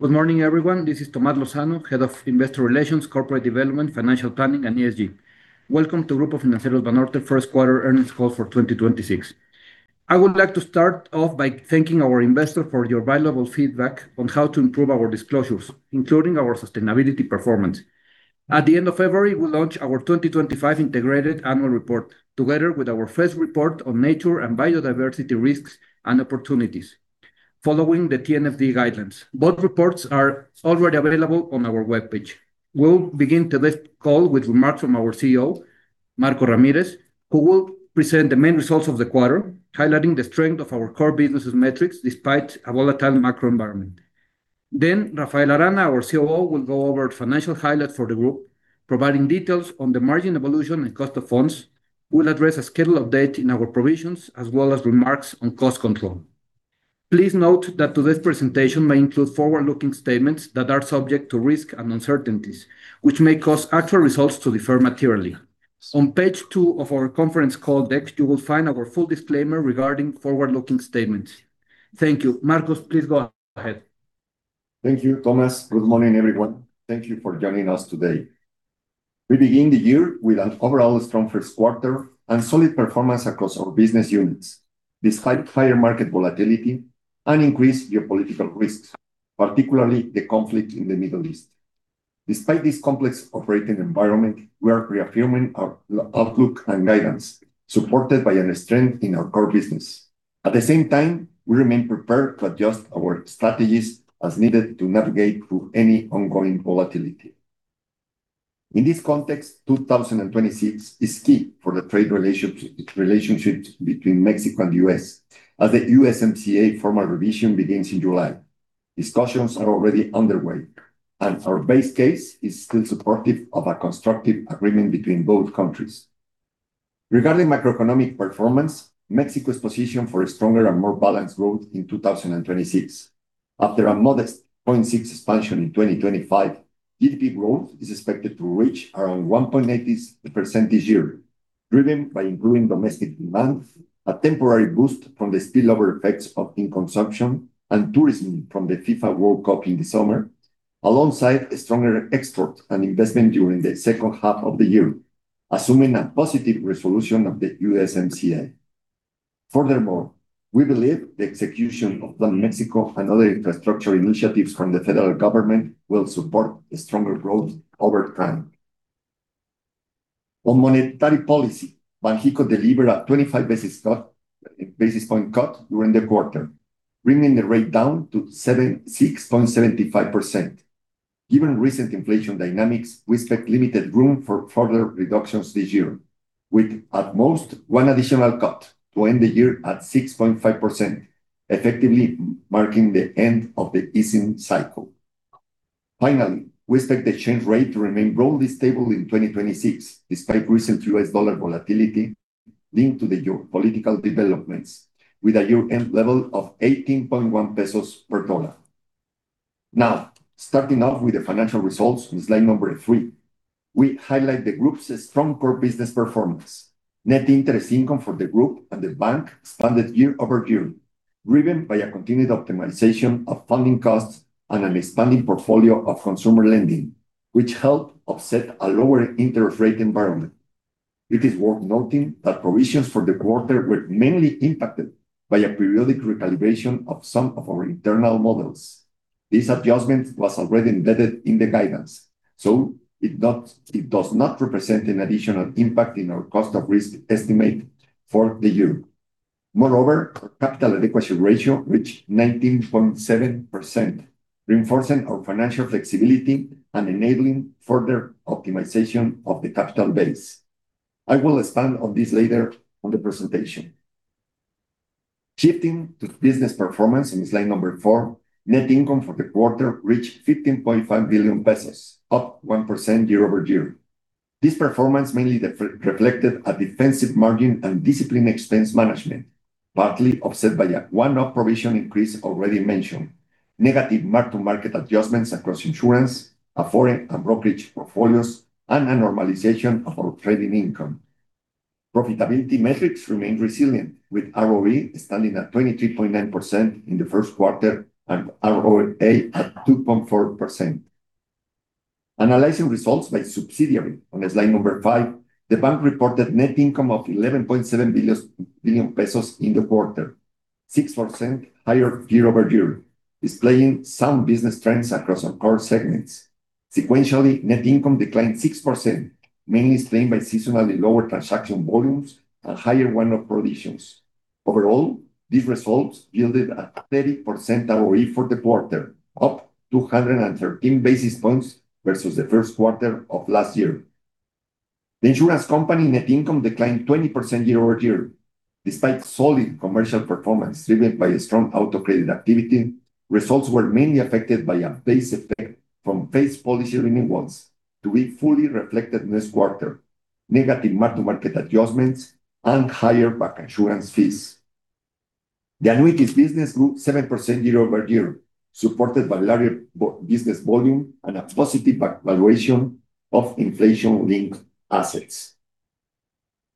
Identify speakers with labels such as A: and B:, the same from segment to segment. A: Good morning, everyone. This is Tomás Lozano, Head of Investor Relations, Corporate Development, Financial Planning, and ESG. Welcome to Grupo Financiero Banorte first quarter earnings call for 2026. I would like to start off by thanking our investors for your valuable feedback on how to improve our disclosures, including our sustainability performance. At the end of February, we launched our 2025 Integrated Annual Report, together with our first report on nature and biodiversity risks and opportunities. Following the TNFD guidelines, both reports are already available on our webpage. We'll begin today's call with remarks from our CEO, Marcos Ramírez, who will present the main results of the quarter, highlighting the strength of our core business metrics despite a volatile macro environment. Then Rafael Arana, our COO, will go over financial highlights for the group, providing details on the margin evolution and cost of funds. We'll address a schedule update in our provisions, as well as remarks on cost control. Please note that today's presentation may include forward-looking statements that are subject to risks and uncertainties, which may cause actual results to differ materially. On page two of our conference call deck, you will find our full disclaimer regarding forward-looking statements. Thank you. Marcos, please go ahead.
B: Thank you, Tomás. Good morning, everyone. Thank you for joining us today. We begin the year with an overall strong first quarter and solid performance across our business units, despite higher market volatility and increased geopolitical risks, particularly the conflict in the Middle East. Despite this complex operating environment, we are reaffirming our outlook and guidance, supported by strength in our core business. At the same time, we remain prepared to adjust our strategies as needed to navigate through any ongoing volatility. In this context, 2026 is key for the trade relationships between Mexico and the U.S., as the USMCA formal revision begins in July. Discussions are already underway, and our base case is still supportive of a constructive agreement between both countries. Regarding macroeconomic performance, Mexico is positioned for stronger and more balanced growth in 2026. After a modest 0.6% expansion in 2025, GDP growth is expected to reach around 1.8% this year, driven by improving domestic demand, a temporary boost from the spillover effects of increased consumption, and tourism from the FIFA World Cup in the summer, alongside stronger exports and investment during the second half of the year, assuming a positive resolution of the USMCA. Furthermore, we believe the execution of Plan Mexico and other infrastructure initiatives from the federal government will support stronger growth over time. On monetary policy, Banxico delivered a 25 basis points cut during the quarter, bringing the rate down to 6.75%. Given recent inflation dynamics, we expect limited room for further reductions this year, with at most one additional cut to end the year at 6.5%, effectively marking the end of the easing cycle. Finally, we expect the exchange rate to remain broadly stable in 2026, despite recent U.S. dollar volatility linked to the geopolitical developments, with a year-end level of 18.1 pesos per dollar. Now, starting off with the financial results on slide number three, we highlight the group's strong core business performance. Net interest income for the group and the bank expanded year-over-year, driven by a continued optimization of funding costs and an expanding portfolio of consumer lending, which helped offset a lower interest rate environment. It is worth noting that provisions for the quarter were mainly impacted by a periodic recalibration of some of our internal models. This adjustment was already embedded in the guidance, so it does not represent an additional impact in our cost of risk estimate for the year. Moreover, our capital adequacy ratio reached 19.7%, reinforcing our financial flexibility and enabling further optimization of the capital base. I will expand on this later on in the presentation. Shifting to business performance on slide four, net income for the quarter reached 15.5 billion pesos, up 1% year-over-year. This performance mainly reflected a defensive margin and disciplined expense management, partly offset by a one-off provision increase already mentioned, negative mark-to-market adjustments across insurance, foreign, and brokerage portfolios, and a normalization of our trading income. Profitability metrics remained resilient, with ROE standing at 23.9% in the first quarter and ROA at 2.4%. Analyzing results by subsidiary on slide five, the bank reported net income of 11.7 billion pesos in the quarter, 6% higher year-over-year, displaying some business trends across our core segments. Sequentially, net income declined 6%, mainly explained by seasonally lower transaction volumes and higher one-off provisions. Overall, these results yielded a 30% ROE for the quarter, up 213 basis points versus the first quarter of last year. The insurance company net income declined 20% year-over-year. Despite solid commercial performance driven by strong auto credit activity, results were mainly affected by a base effect from phase policy renewals to be fully reflected next quarter, negative mark-to-market adjustments, and higher back insurance fees. The annuities business grew 7% year-over-year, supported by larger business volume and a positive valuation of inflation-linked assets.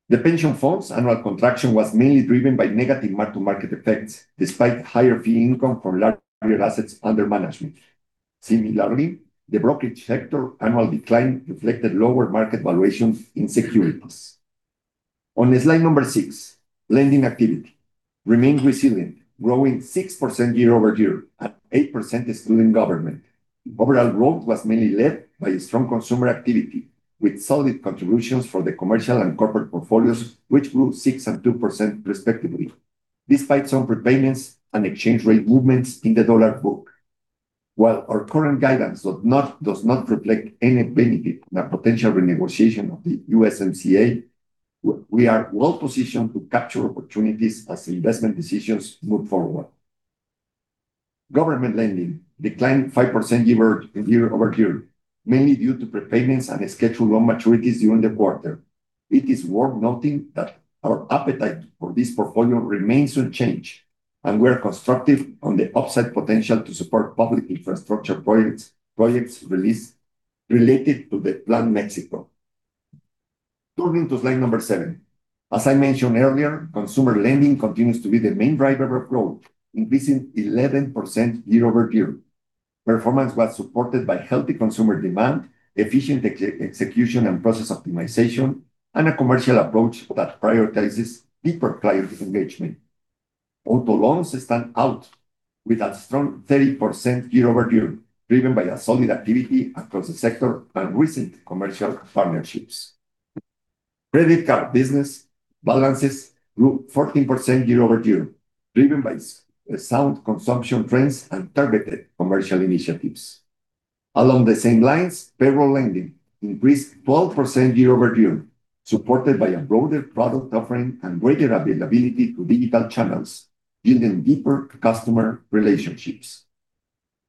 B: The pension fund's annual contraction was mainly driven by negative mark-to-market effects, despite higher fee income from larger assets under management. Similarly, the brokerage sector annual decline reflected lower market valuations in securities. On slide six, lending activity remained resilient, growing 6% year-over-year, and 8% excluding government. Overall growth was mainly led by strong consumer activity, with solid contributions for the commercial and corporate portfolios, which grew 6% and 2% respectively, despite some prepayments and exchange rate movements in the dollar book. While our current guidance does not reflect any benefit from the potential renegotiation of the USMCA, we are well-positioned to capture opportunities as investment decisions move forward. Government lending declined 5% year-over-year, mainly due to prepayments and scheduled loan maturities during the quarter. It is worth noting that our appetite for this portfolio remains unchanged, and we are constructive on the upside potential to support public infrastructure projects related to the Plan Mexico. Turning to slide number seven. As I mentioned earlier, consumer lending continues to be the main driver of growth, increasing 11% year-over-year. Performance was supported by healthy consumer demand, efficient execution and process optimization, and a commercial approach that prioritizes deeper client engagement. Auto loans stand out with a strong 30% year-over-year, driven by solid activity across the sector and recent commercial partnerships. Credit card business balances grew 14% year-over-year, driven by sound consumption trends and targeted commercial initiatives. Along the same lines, payroll lending increased 12% year-over-year, supported by a broader product offering and greater availability to digital channels, building deeper customer relationships.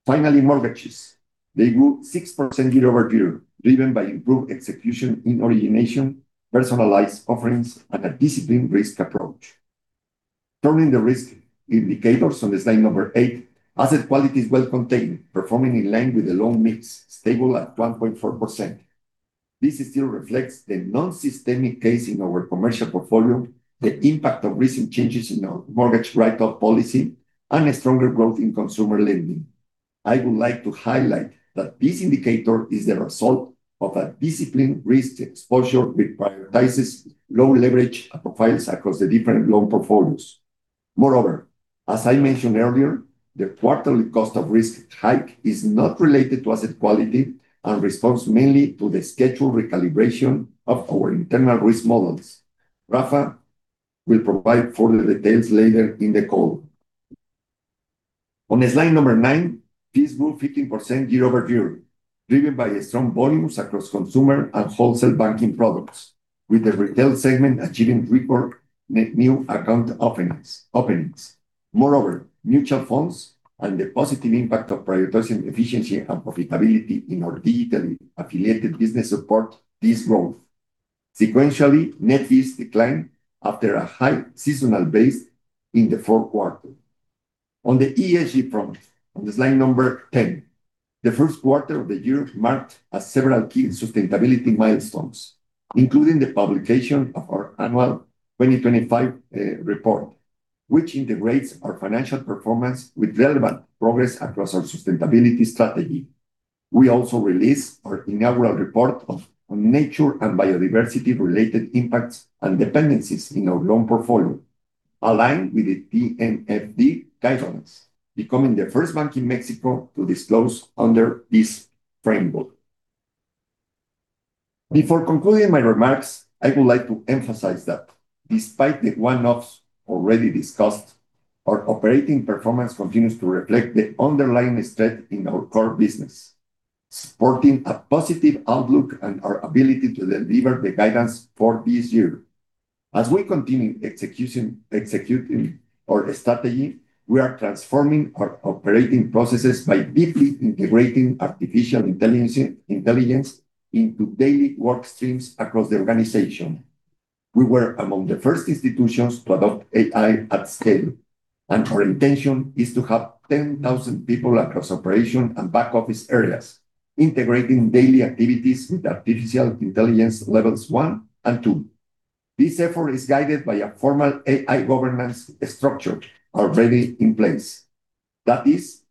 B: Finally, mortgages. They grew 6% year-over-year, driven by improved execution in origination, personalized offerings, and a disciplined risk approach. Turning to the risk indicators on slide number eight, asset quality is well contained, performing in line with the loan mix, stable at 1.4%. This still reflects the non-systemic case in our commercial portfolio, the impact of recent changes in our mortgage write-off policy, and a stronger growth in consumer lending. I would like to highlight that this indicator is the result of a disciplined risk exposure which prioritizes low leverage profiles across the different loan portfolios. Moreover, as I mentioned earlier, the quarterly cost of risk hike is not related to asset quality and responds mainly to the scheduled recalibration of our internal risk models. Rafa will provide further details later in the call. On slide number nine, fees grew 15% year-over-year, driven by strong volumes across consumer and wholesale banking products, with the retail segment achieving record net new account openings. Moreover, mutual funds and the positive impact of prioritizing efficiency and profitability in our digitally affiliated business support this growth. Sequentially, net fees declined after a high seasonal base in the fourth quarter. On the ESG front, on slide number 10, the first quarter of the year marked several key sustainability milestones, including the publication of our Annual 2025 Report, which integrates our financial performance with relevant progress across our sustainability strategy. We also released our inaugural report on nature and biodiversity-related impacts and dependencies in our loan portfolio, aligned with the TNFD Guidelines, becoming the first bank in Mexico to disclose under this framework. Before concluding my remarks, I would like to emphasize that despite the one-offs already discussed, our operating performance continues to reflect the underlying strength in our core business, supporting a positive outlook and our ability to deliver the guidance for this year. As we continue executing our strategy, we are transforming our operating processes by deeply integrating artificial intelligence into daily work streams across the organization. We were among the first institutions to adopt AI at scale, and our intention is to have 10,000 people across operation and back-office areas integrating daily activities with artificial intelligence levels one and two. This effort is guided by a formal AI governance structure already in place that is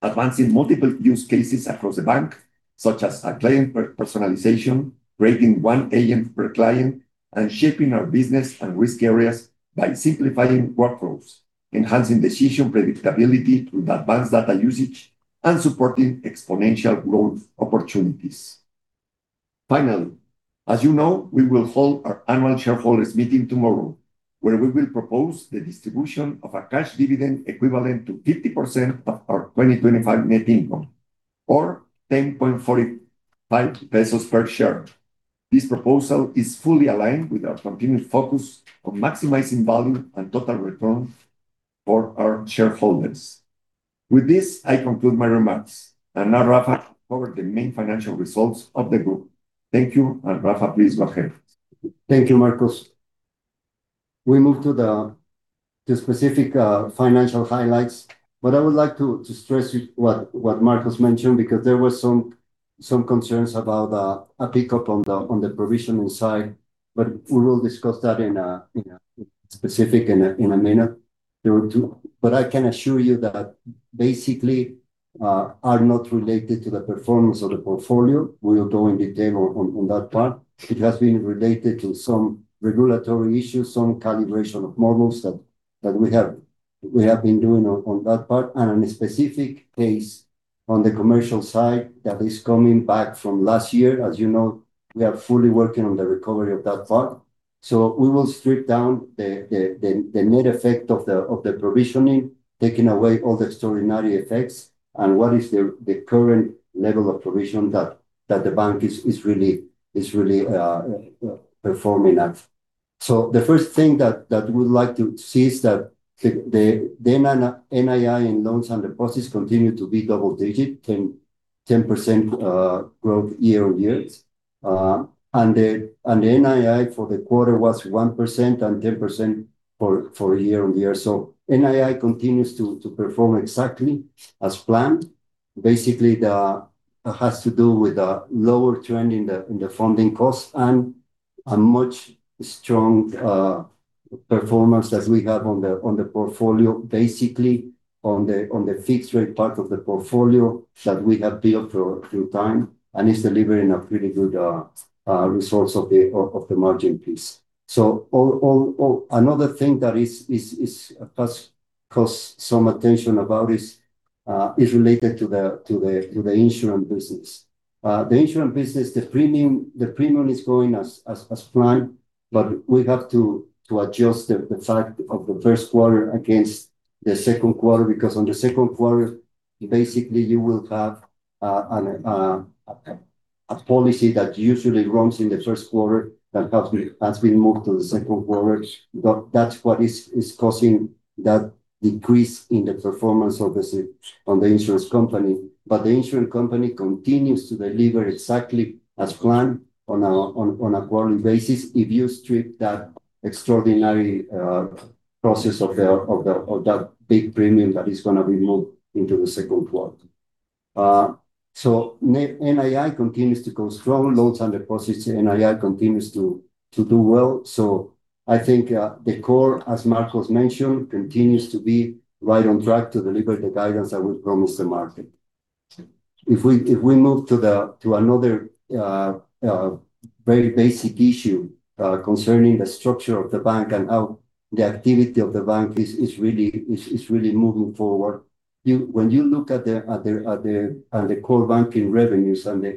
B: advancing multiple use cases across the bank, such as client personalization, creating one agent per client, and shaping our business and risk areas by simplifying workflows, enhancing decision predictability through advanced data usage, and supporting exponential growth opportunities. Finally, as you know, we will hold our annual shareholders' meeting tomorrow, where we will propose the distribution of a cash dividend equivalent to 50% of our 2025 net income, or 10.45 pesos per share. This proposal is fully aligned with our continued focus on maximizing value and total return for our shareholders. With this, I conclude my remarks, and now Rafa will cover the main financial results of the group. Thank you. Rafa, please go ahead.
C: Thank you, Marcos. We move to the specific financial highlights. I would like to stress what Marcos mentioned, because there was some concerns about a pickup on the provisioning side, but we will discuss that specific in a minute. I can assure you that basically are not related to the performance of the portfolio. We will go in detail on that part. It has been related to some regulatory issues, some calibration of models that we have been doing on that part, and on a specific case on the commercial side that is coming back from last year. As you know, we are fully working on the recovery of that part. We will strip down the net effect of the provisioning, taking away all the extraordinary effects, and what is the current level of provision that the bank is really performing at. The first thing that we would like to see is that the NII and loans and deposits continue to be double-digit 10% growth year-over-year. The NII for the quarter was 1% and 10% for year-over-year. NII continues to perform exactly as planned. Basically, that has to do with a lower trend in the funding cost and a much stronger performance as we have on the portfolio, basically on the fixed rate part of the portfolio that we have built over time, and is delivering a really good source of the margin piece. Another thing that has caused some attention about is related to the insurance business. The insurance business, the premium is growing as planned, but we have to adjust the fact of the first quarter against the second quarter, because on the second quarter, basically you will have a policy that usually runs in the first quarter that has been moved to the second quarter. That's what is causing that decrease in the performance of the insurance company. The insurance company continues to deliver exactly as planned on a quarterly basis, if you strip that extraordinary process of that big premium that is going to be moved into the second quarter. NII continues to go strong, loans and deposits NII continues to do well. I think the core, as Marcos mentioned, continues to be right on track to deliver the guidance that we've promised the market. If we move to another very basic issue concerning the structure of the bank and how the activity of the bank is really moving forward. When you look at the core banking revenues and the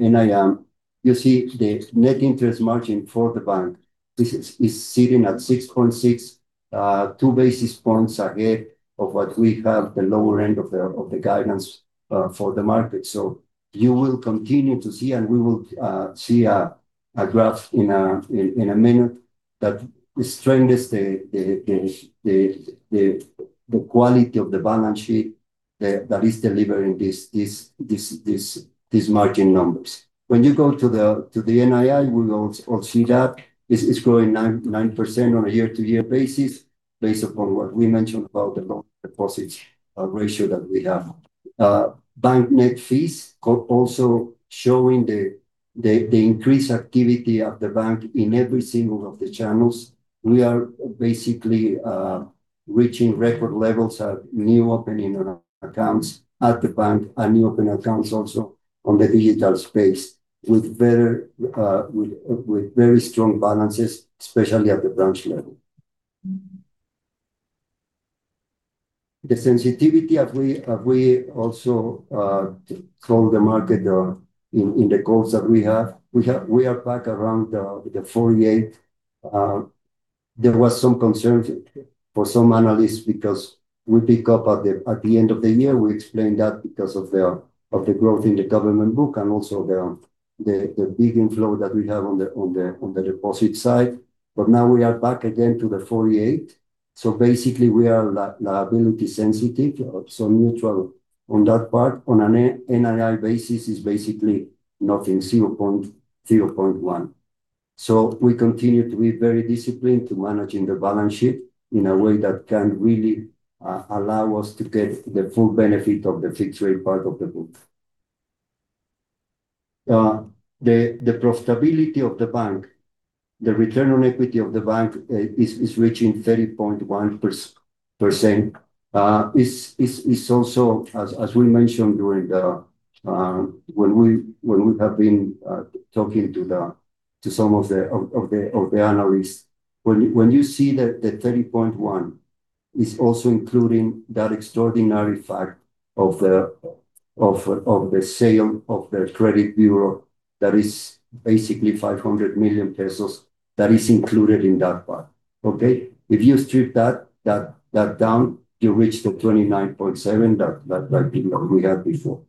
C: NIM, you see the net interest margin for the bank is sitting at 6.6%, 2 basis points ahead of what we have the lower end of the guidance for the market. You will continue to see, and we will see a graph in a minute, that strengthens the quality of the balance sheet that is delivering these margin numbers. When you go to the NII, we will all see that. This is growing 9% on a year-to-year basis, based upon what we mentioned about the loan deposits ratio that we have. Bank net fees also showing the increased activity of the bank in every single of the channels. We are basically reaching record levels of new opening accounts at the bank, and new open accounts also on the digital space, with very strong balances, especially at the branch level. The sensitivity that we also told the market in the calls that we have, we are back around the 48. There was some concern for some analysts because we pick up at the end of the year. We explained that because of the growth in the government book and also the big inflow that we have on the deposit side. Now we are back again to the 48. Basically, we are liability sensitive, so neutral on that part. On an NII basis is basically nothing, 0.1%. We continue to be very disciplined to managing the balance sheet in a way that can really allow us to get the full benefit of the fixed rate part of the book. The profitability of the bank, the return on equity of the bank is reaching 30.1%. It's also, as we mentioned when we have been talking to some of the analysts, when you see the 30.1%, it's also including that extraordinary fact of the sale of the credit bureau that is basically 500 million pesos, that is included in that part. Okay? If you strip that down, you reach the 29.7 that we had before.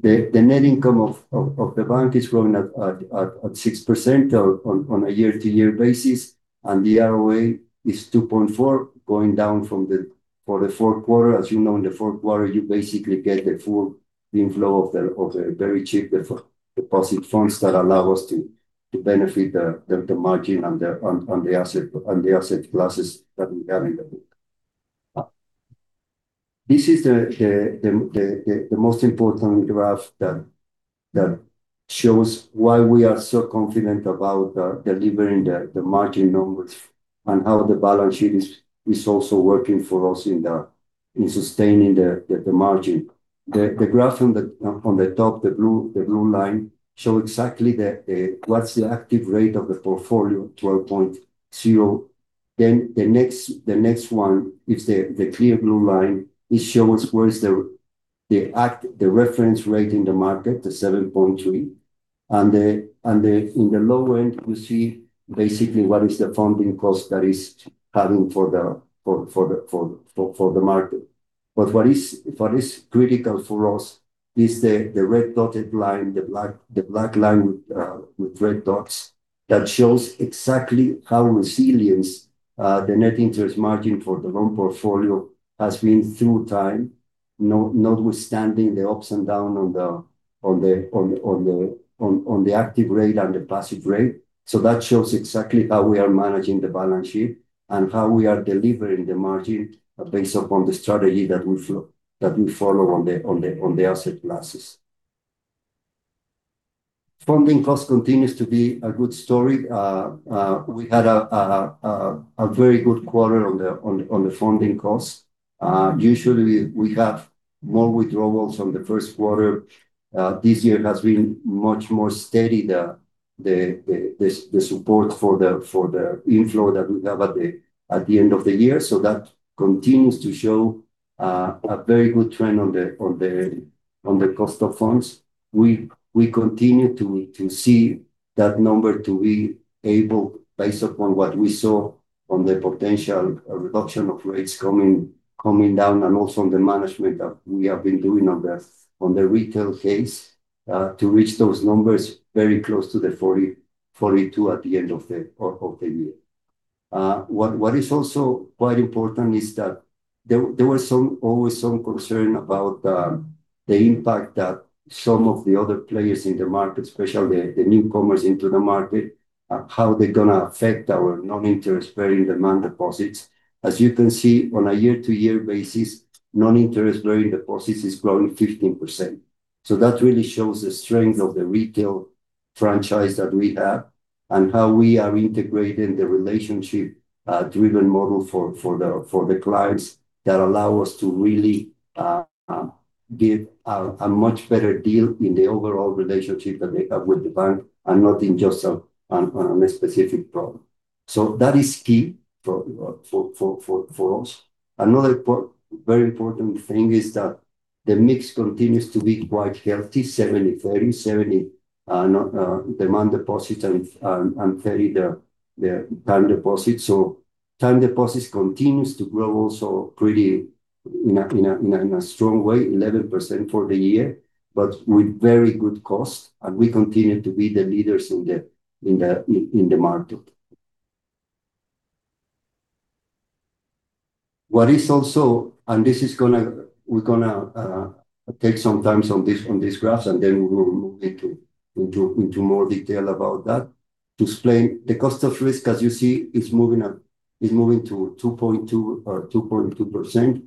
C: The net income of the bank is growing at 6% on a year-over-year basis, and the ROA is 2.4%, going down for the fourth quarter. As you know, in the fourth quarter, you basically get the full the inflow of the very cheap deposit funds that allow us to benefit the margin and the asset classes that we have in the book. This is the most important graph that shows why we are so confident about delivering the margin numbers and how the balance sheet is also working for us in sustaining the margin. The graph on the top, the blue line, shows exactly what's the active rate of the portfolio, 12.0%. The next one, it's the clear blue line, it shows where is the reference rate in the market, the 7.3%, and in the low end, you see basically what is the funding cost that is having for the market. What is critical for us is the red dotted line, the black line with red dots, that shows exactly how resilient the net interest margin for the loan portfolio has been through time, notwithstanding the ups and downs on the active rate and the passive rate. That shows exactly how we are managing the balance sheet and how we are delivering the margin based upon the strategy that we follow on the asset classes. Funding cost continues to be a good story. We had a very good quarter on the funding cost. Usually, we have more withdrawals on the first quarter. This year has been much more steady, the support for the inflow that we have at the end of the year. That continues to show a very good trend on the cost of funds. We continue to see that number to be able, based upon what we saw on the potential reduction of rates coming down and also on the management that we have been doing on the retail case, to reach those numbers very close to the 42 at the end of the year. What is also quite important is that there was always some concern about the impact that some of the other players in the market, especially the newcomers into the market, how they're going to affect our non-interest-bearing demand deposits. As you can see, on a year-to-year basis, non-interest-bearing deposits is growing 15%. That really shows the strength of the retail franchise that we have and how we are integrating the relationship-driven model for the clients that allow us to really give a much better deal in the overall relationship that they have with the bank and not in just on a specific product. That is key for us. Another very important thing is that the mix continues to be quite healthy, 70/30, 70 demand deposits and 30 the time deposits. Time deposits continues to grow also pretty in a strong way, 11% for the year, but with very good cost, and we continue to be the leaders in the market. What is also, and we're going to take some time on these graphs, and then we will move into more detail about that. To explain the cost of risk, as you see, it's moving to 2.2%, 2.06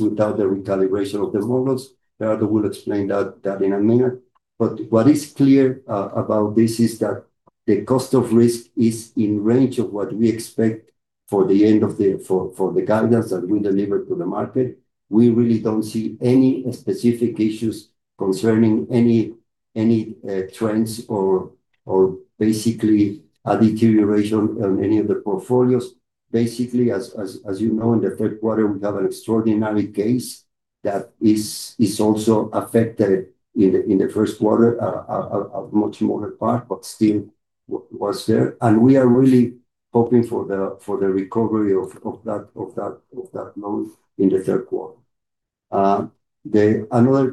C: without the recalibration of the models. Gerardo will explain that in a minute. What is clear about this is that the cost of risk is in range of what we expect for the guidance that we deliver to the market. We really don't see any specific issues concerning any trends or basically a deterioration on any of the portfolios. Basically, as you know, in the third quarter, we have an extraordinary case that is also affected in the first quarter, a much smaller part, but still was there. We are really hoping for the recovery of that loan in the third quarter. Another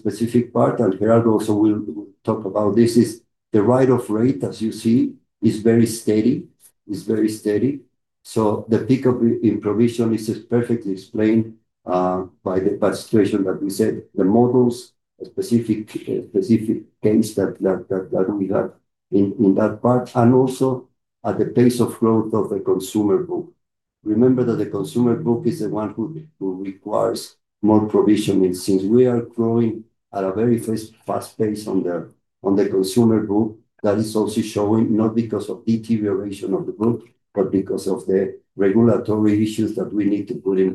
C: specific part, and Gerardo also will talk about this, is the write-off rate, as you see, is very steady. The peak of improvisation is perfectly explained by the situation that we said, the models, specific case that we have in that part, and also at the pace of growth of the consumer book. Remember that the consumer book is the one who requires more provisioning since we are growing at a very fast pace on the consumer book, that is also showing not because of deterioration of the book, but because of the regulatory issues that we need to put in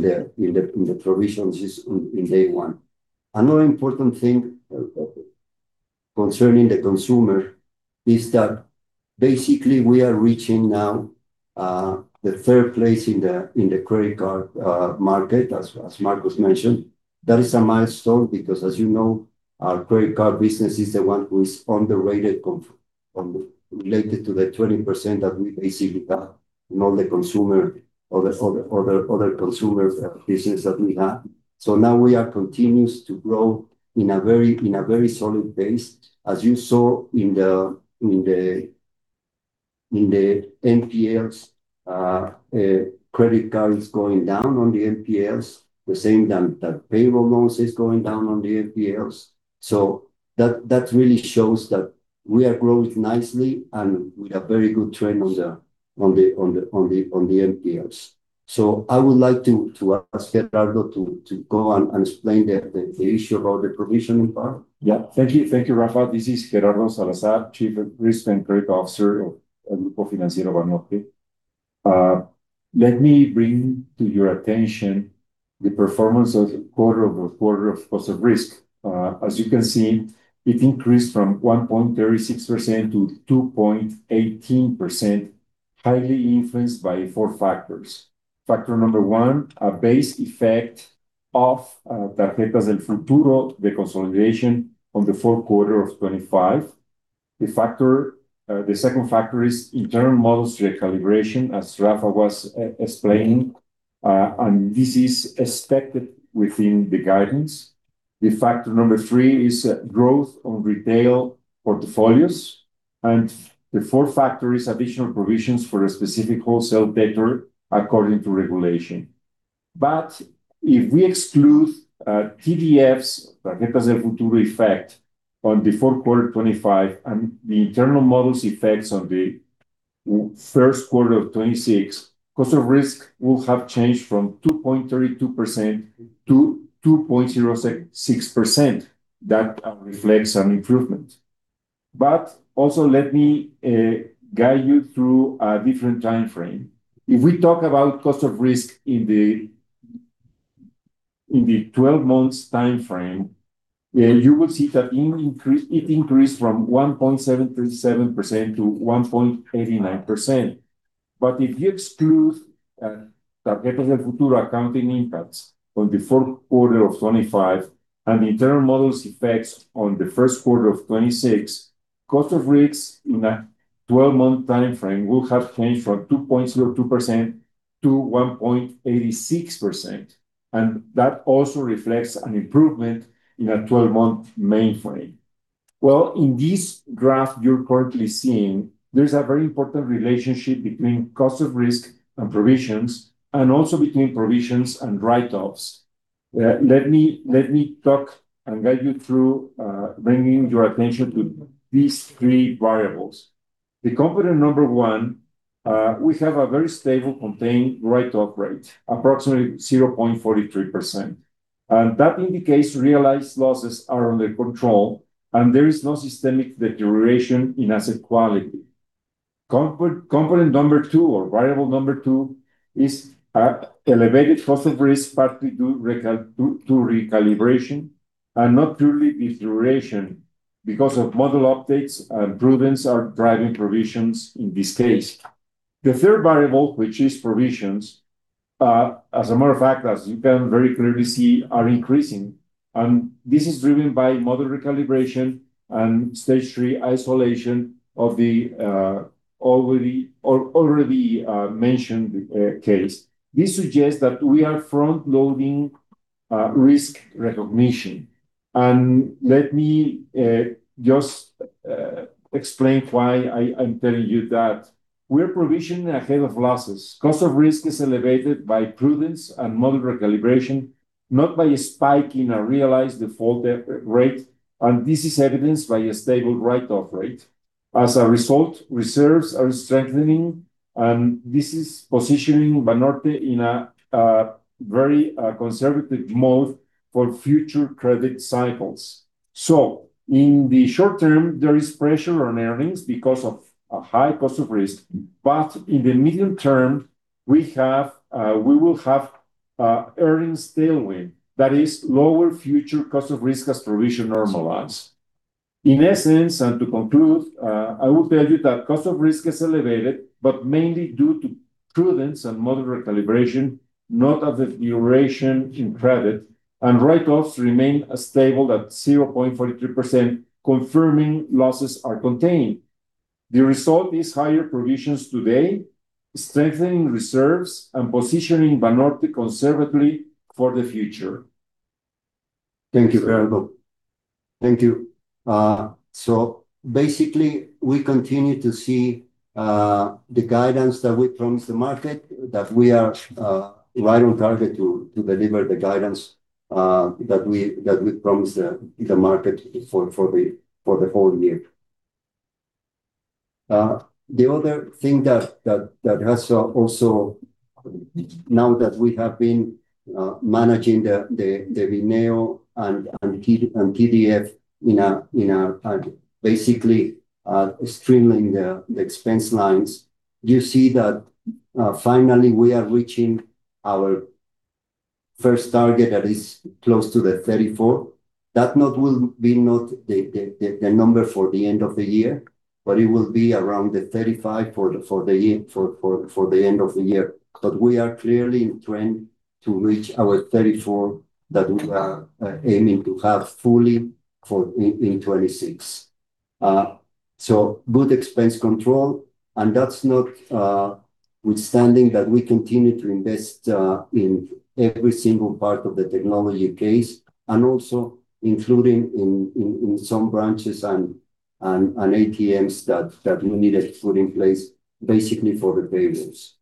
C: the provisions in day one. Another important thing concerning the consumer is that basically we are reaching now the third place in the credit card market, as Marcos mentioned. That is a milestone because as you know, our credit card business is the one who is underrated related to the 20% that we basically have in all the consumer or the other consumer business that we have. Now we are continuing to grow in a very solid base, as you saw in the NPLs, credit cards going down on the NPLs, the same that payroll loans is going down on the NPLs. That really shows that we are growing nicely, and we are very good trend on the NPLs. I would like to ask Gerardo to go and explain the issue about the provisioning part.
D: Yeah. Thank you, Rafa. This is Gerardo Salazar, Chief Risk and Credit Officer of Grupo Financiero Banorte. Let me bring to your attention the performance quarter-over-quarter of cost of risk. As you can see, it increased from 1.36% to 2.18%, highly influenced by four factors. Factor number one, a base effect of Tarjetas del Futuro, the consolidation on the fourth quarter of 2025. The second factor is internal models recalibration, as Rafa was explaining. This is expected within the guidance. The factor number three is growth on retail portfolios, and the fourth factor is additional provisions for a specific wholesale debtor according to regulation. If we exclude TDF's, Tarjetas del Futuro, effect on the fourth quarter 2025, and the internal models effects on the first quarter of 2026, cost of risk would have changed from 2.32% to 2.06%. That reflects an improvement. Also let me guide you through a different time frame. If we talk about cost of risk in the 12 months time frame, you will see that it increased from 1.737% to 1.89%. If you exclude Tarjetas del Futuro accounting impacts on the fourth quarter of 2025 and the internal models effects on the first quarter of 2026, cost of risks in a 12-month time frame will have changed from 2.02% to 1.86%. That also reflects an improvement in a 12-month time frame. Well, in this graph you're currently seeing, there's a very important relationship between cost of risk and provisions, and also between provisions and write-offs. Let me talk and guide you through, bringing your attention to these three variables. The component number one, we have a very stable contained write-off rate, approximately 0.43%. That indicates realized losses are under control, and there is no systemic deterioration in asset quality. Component number two or variable number two is elevated cost of risk, partly due to recalibration and not truly deterioration because of model updates, and prudence are driving provisions in this case. The third variable, which is provisions, as a matter of fact, as you can very clearly see, are increasing. This is driven by model recalibration and stage 3 isolation of the already mentioned case. This suggests that we are front-loading risk recognition. Let me just explain why I'm telling you that. We're provisioning ahead of losses. Cost of risk is elevated by prudence and model recalibration, not by a spike in a realized default rate, and this is evidenced by a stable write-off rate. As a result, reserves are strengthening, and this is positioning Banorte in a very conservative mode for future credit cycles. In the short term, there is pressure on earnings because of a high cost of risk. In the medium term, we will have earnings tailwind, that is, lower future cost of risk as provision normalizes. In essence, and to conclude, I will tell you that cost of risk is elevated, but mainly due to prudence and model recalibration, not a deterioration in credit, and write-offs remain stable at 0.43%, confirming losses are contained. The result is higher provisions today, strengthening reserves and positioning Banorte conservatively for the future.
C: Thank you, Gerardo. Thank you. Basically, we continue to see the guidance that we promised the market, that we are right on target to deliver the guidance that we promised the market for the whole year. The other thing that has also, now that we have been managing the Bineo and TDF in a basically, streamlining the expense lines, you see that finally, we are reaching our first target that is close to the 34%. That now will not be the number for the end of the year, but it will be around the 35% for the end of the year. We are clearly in trend to reach our 34% that we are aiming to have fully in 2026. Good expense control, and that's notwithstanding that we continue to invest in every single part of the technology case, and also including in some branches and ATMs that we needed to put in place, basically for the payments.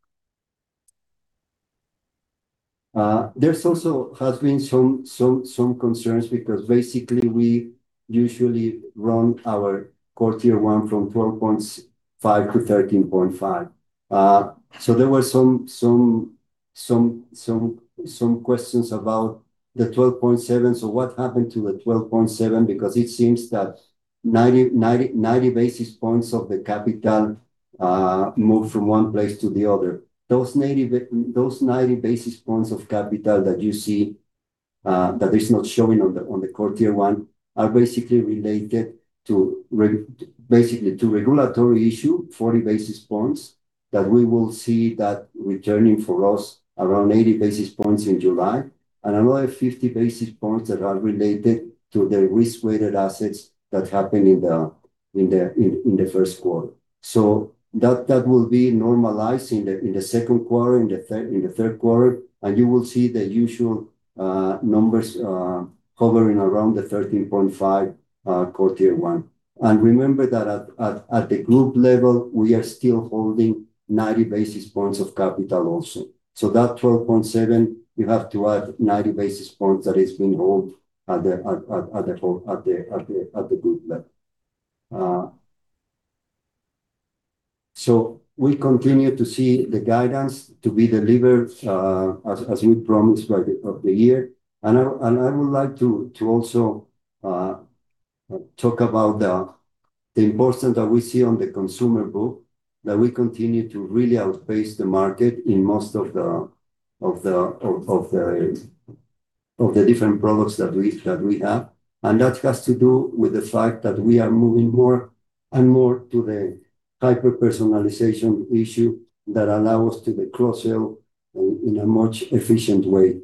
C: There also has been some concerns because basically we usually run our core Tier 1 from 12.5% to 13.5%. There were some questions about the 12.7%. What happened to the 12.7%? Because it seems that 90 basis points of the capital moved from one place to the other. Those 90 basis points of capital that you see that is not showing on the core Tier 1 are basically related to regulatory issue, 40 basis points, that we will see returning for us around 80 basis points in July, and another 50 basis points that are related to the risk-weighted assets that happen in the first quarter. That will be normalized in the second quarter, in the third quarter, and you will see the usual numbers hovering around the 13.5% core Tier 1. Remember that at the group level, we are still holding 90 basis points of capital also. That 12.7%, you have to add 90 basis points that is being held at the group level. We continue to see the guidance to be delivered as we promised of the year. I would like to also talk about the importance that we see on the consumer book, that we continue to really outpace the market in most of the different products that we have. That has to do with the fact that we are moving more and more to the hyper-personalization issue that allow us to the cross-sell in a much efficient way.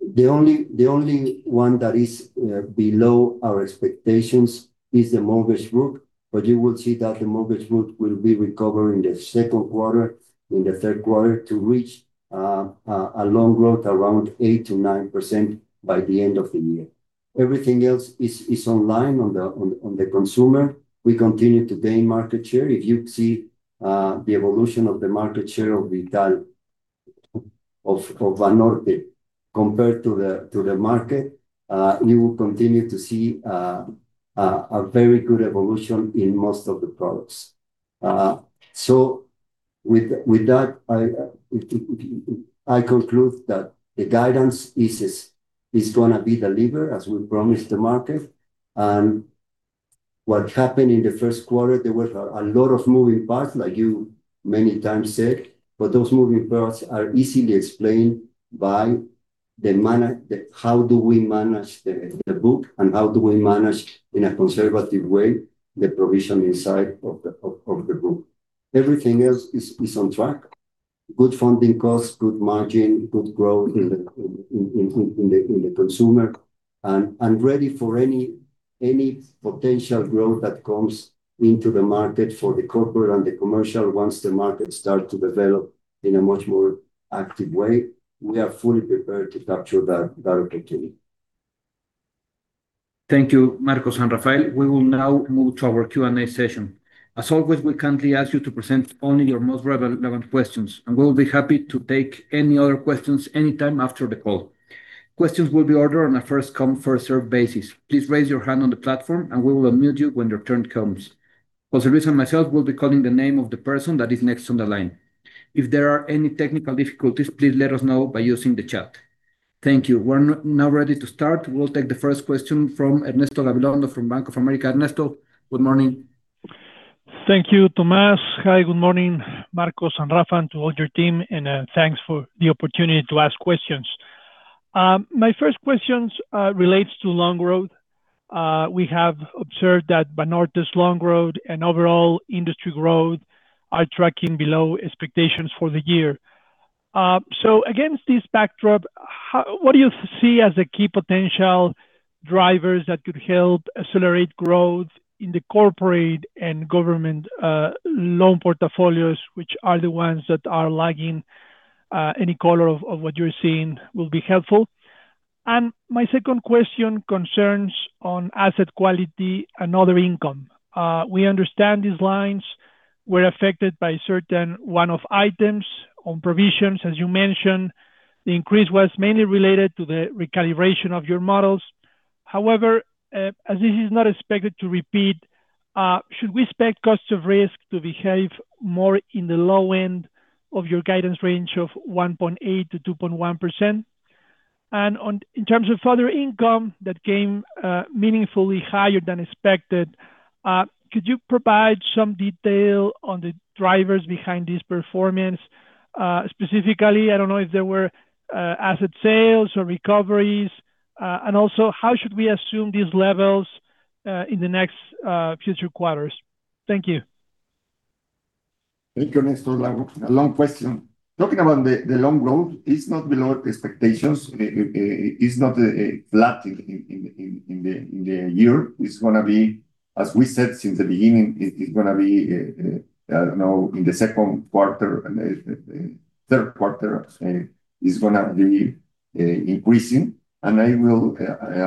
C: The only one that is below our expectations is the mortgage book, but you will see that the mortgage book will be recovered in the second quarter, in the third quarter to reach a loan growth around 8%-9% by the end of the year. Everything else is in line on the consumer. We continue to gain market share. If you see the evolution of the market share of Banorte compared to the market, you will continue to see a very good evolution in most of the products. With that, I conclude that the guidance is going to be delivered as we promised the market. What happened in the first quarter, there were a lot of moving parts, like you many times said, but those moving parts are easily explained by how do we manage the book and how do we manage, in a conservative way, the provision inside of the book. Everything else is on track. Good funding cost, good margin, good growth in the consumer, and ready for any potential growth that comes into the market for the corporate and the commercial. Once the market start to develop in a much more active way, we are fully prepared to capture that opportunity.
A: Thank you, Marcos and Rafael. We will now move to our Q&A session. As always, we kindly ask you to present only your most relevant questions, and we will be happy to take any other questions anytime after the call. Questions will be ordered on a first-come, first-served basis. Please raise your hand on the platform and we will unmute you when your turn comes. José Luis and myself will be calling the name of the person that is next on the line. If there are any technical difficulties, please let us know by using the chat. Thank you. We're now ready to start. We'll take the first question from Ernesto Gabilondo from Bank of America. Ernesto, good morning.
E: Thank you, Tomás. Hi, good morning, Marcos and Rafa, and to all your team, and thanks for the opportunity to ask questions. My first questions relates to loan growth. We have observed that Banorte's loan growth and overall industry growth are tracking below expectations for the year. Against this backdrop, what do you see as the key potential drivers that could help accelerate growth in the corporate and government loan portfolios, which are the ones that are lagging? Any color of what you're seeing will be helpful. My second question concerns on asset quality and other income. We understand these lines were affected by certain one-off items on provisions. As you mentioned, the increase was mainly related to the recalibration of your models. However, as this is not expected to repeat, should we expect cost of risk to behave more in the low end of your guidance range of 1.8%-2.1%? In terms of other income that came meaningfully higher than expected, could you provide some detail on the drivers behind this performance? Specifically, I don't know if there were asset sales or recoveries. Also, how should we assume these levels in the next future quarters? Thank you.
B: Thank you, Ernesto. A long question. Talking about the loan growth, it's not below expectations. It's not flat in the year. It's going to be as we said since the beginning, it is going to be, I don't know, in the second quarter, and the third quarter is going to be increasing. I will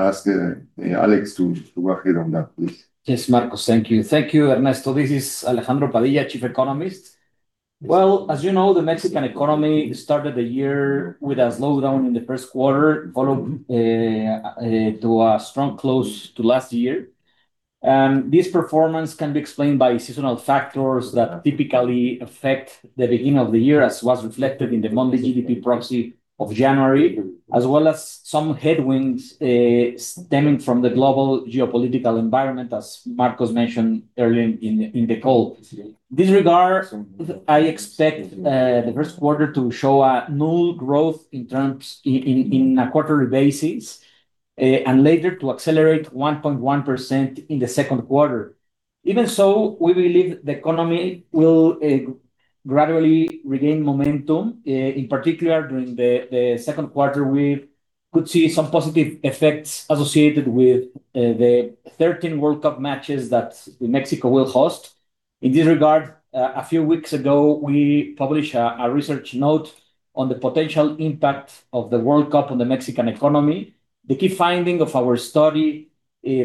B: ask Alex to work on that, please.
F: Yes, Marcos. Thank you. Thank you, Ernesto. This is Alejandro Padilla, Chief Economist. Well, as you know, the Mexican economy started the year with a slowdown in the first quarter, following a strong close of last year. This performance can be explained by seasonal factors that typically affect the beginning of the year, as was reflected in the monthly GDP proxy of January, as well as some headwinds stemming from the global geopolitical environment, as Marcos mentioned earlier in the call. In this regard, I expect the first quarter to show null growth on a quarterly basis, and later to accelerate 1.1% in the second quarter. Even so, we believe the economy will gradually regain momentum. In particular, during the second quarter, we could see some positive effects associated with the 13 World Cup matches that Mexico will host. In this regard, a few weeks ago, we published a research note on the potential impact of the World Cup on the Mexican economy. The key finding of our study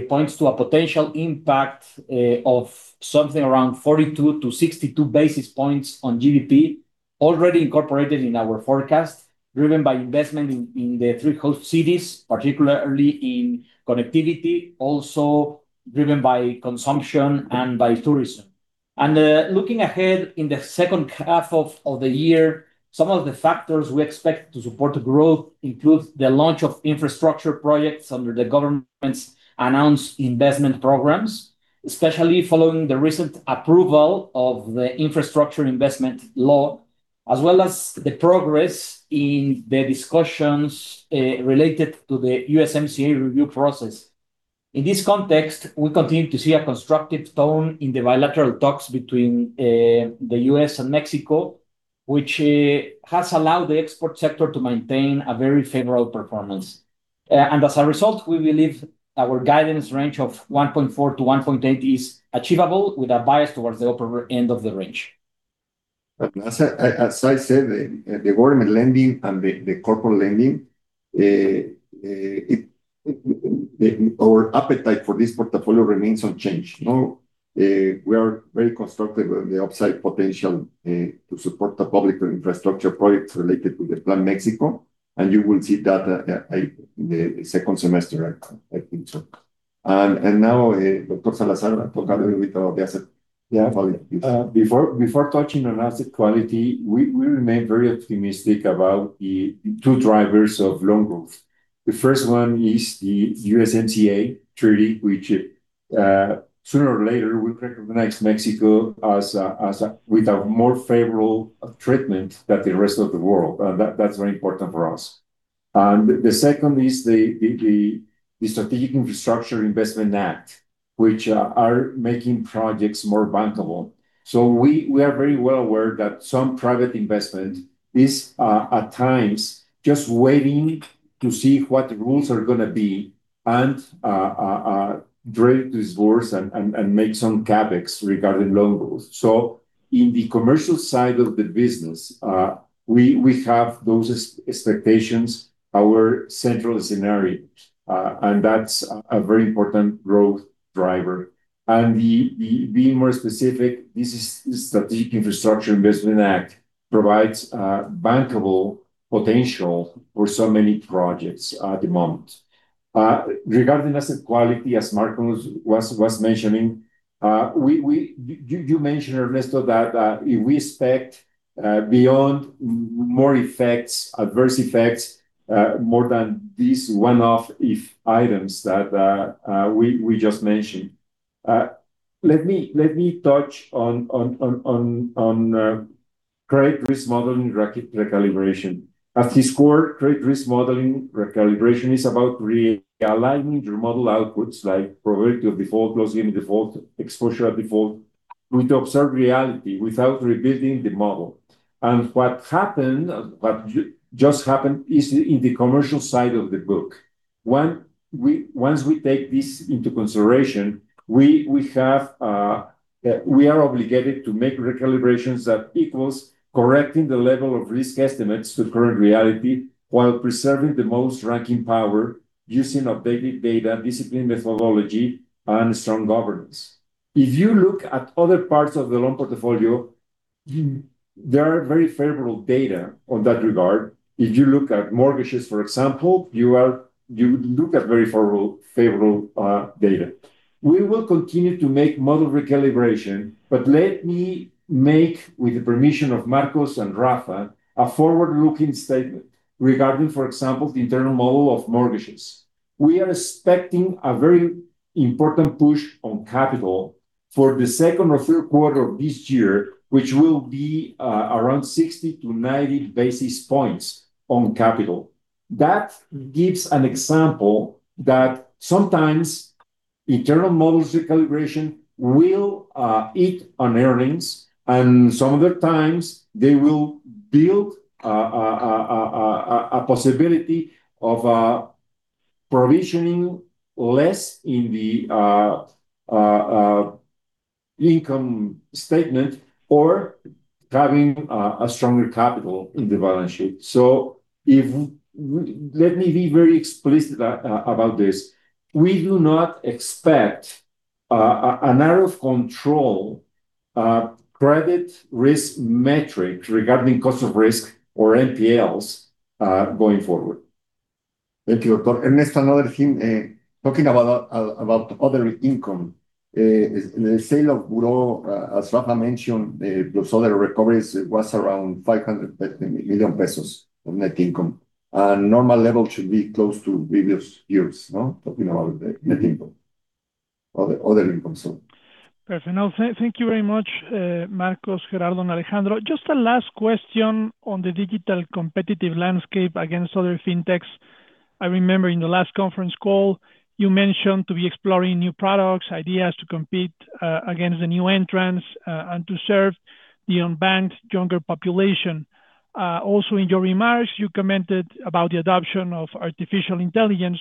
F: points to a potential impact of something around 42-62 basis points on GDP already incorporated in our forecast, driven by investment in the three host cities, particularly in connectivity, also driven by consumption and by tourism. Looking ahead in the second half of the year, some of the factors we expect to support growth includes the launch of infrastructure projects under the government's announced investment programs, especially following the recent approval of the infrastructure investment law, as well as the progress in the discussions related to the USMCA review process. In this context, we continue to see a constructive tone in the bilateral talks between the U.S. and Mexico, which has allowed the export sector to maintain a very favorable performance. As a result, we believe our guidance range of 1.4%-1.8% is achievable with a bias towards the upper end of the range.
B: As I said, the government lending and the corporate lending, our appetite for this portfolio remains unchanged. Now, we are very constructive on the upside potential to support the public infrastructure projects related to the Plan Mexico, and you will see that in the second semester, I think so. Now, Gerardo Salazar, talk a little bit about the asset quality.
D: Before touching on asset quality, we remain very optimistic about the two drivers of loan growth. The first one is the USMCA treaty, which, sooner or later, will recognize Mexico with a more favorable treatment than the rest of the world. That's very important for us. The second is the Strategic Infrastructure Investment Act, which are making projects more bankable. We are very well aware that some private investment is, at times, just waiting to see what the rules are going to be and drive this growth and make some CapEx regarding loan growth. In the commercial side of the business, we have those expectations, our central scenario, and that's a very important growth driver. Being more specific, this Strategic Infrastructure Investment Act provides bankable potential for so many projects at the moment. Regarding asset quality, as Marcos was mentioning, you mentioned, Ernesto, that we expect more adverse effects beyond these one-off items that we just mentioned. Let me touch on credit risk modeling recalibration. At its core, credit risk modeling recalibration is about realigning your model outputs like probability of default, loss-given default, exposure at default, with observed reality without rebuilding the model. What happened, what just happened is in the commercial side of the book. Once we take this into consideration, we are obligated to make recalibrations that equals correcting the level of risk estimates to current reality while preserving the most ranking power using updated data, disciplined methodology, and strong governance. If you look at other parts of the loan portfolio, there are very favorable data on that regard. If you look at mortgages, for example, you look at very favorable data. We will continue to make model recalibration, but let me make, with the permission of Marcos and Rafa, a forward-looking statement regarding, for example, the internal model of mortgages. We are expecting a very important push on capital for the second or third quarter of this year, which will be around 60-90 basis points on capital. That gives an example that sometimes internal models recalibration will eat on earnings, and some other times they will build a possibility of provisioning less in the income statement or having a stronger capital in the balance sheet. Let me be very explicit about this. We do not expect an out of control credit risk metric regarding cost of risk or NPLs, going forward.
B: Thank you. There's another thing, talking about other income. The sale of Buró, as Rafa mentioned, plus other recoveries, was around 500 million pesos of net income. Normal level should be close to previous years. Talking about net income, other income.
E: Perfect. Now, thank you very much, Marcos, Gerardo, and Alejandro. Just a last question on the digital competitive landscape against other fintechs. I remember in the last conference call you mentioned to be exploring new products, ideas to compete against the new entrants, and to serve the unbanked younger population. Also, in your remarks, you commented about the adoption of artificial intelligence.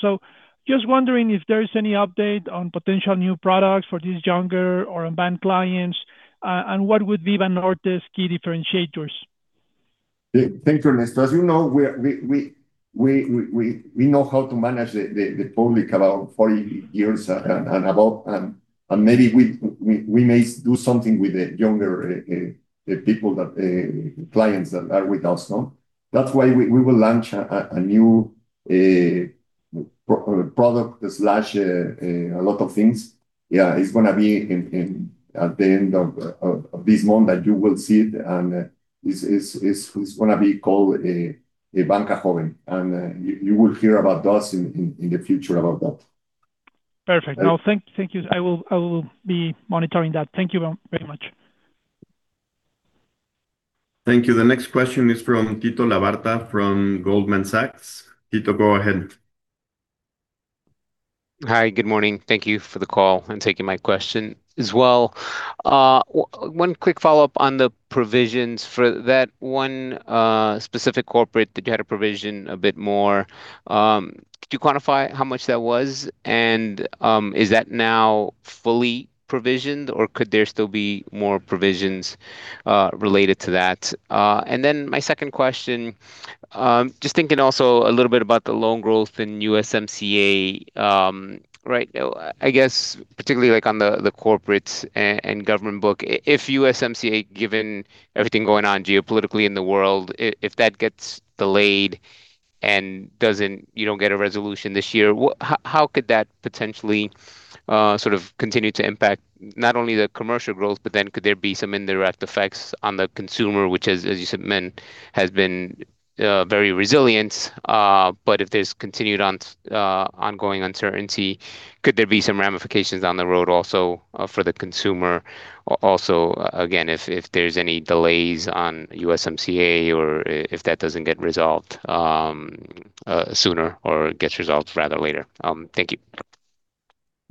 E: Just wondering if there is any update on potential new products for these younger or unbanked clients. What would be Banorte's key differentiators?
B: Thank you, Ernesto. As you know, we know how to manage the public about 40 years and above, and maybe we may do something with the younger people, clients that are with us now. That's why we will launch a new product, a lot of things. Yeah, it's going to be at the end of this month that you will see it, and it's going to be called Banca Joven, and you will hear about us in the future about that.
E: Perfect. No, thank you. I will be monitoring that. Thank you very much.
A: Thank you. The next question is from Tito Labarta from Goldman Sachs. Tito, go ahead.
G: Hi. Good morning. Thank you for the call and taking my question as well. One quick follow-up on the provisions for that one specific corporate that you had to provision a bit more. Could you quantify how much that was and, is that now fully provisioned or could there still be more provisions related to that? My second question, just thinking also a little bit about the loan growth in USMCA, right? I guess particularly on the corporates and government book. If USMCA, given everything going on geopolitically in the world, if that gets delayed and you don't get a resolution this year, how could that potentially continue to impact not only the commercial growth, but then could there be some indirect effects on the consumer, which as you said, has been very resilient? If there's continued ongoing uncertainty, could there be some ramifications down the road also for the consumer, again, if there's any delays on USMCA or if that doesn't get resolved sooner or gets resolved rather later? Thank you.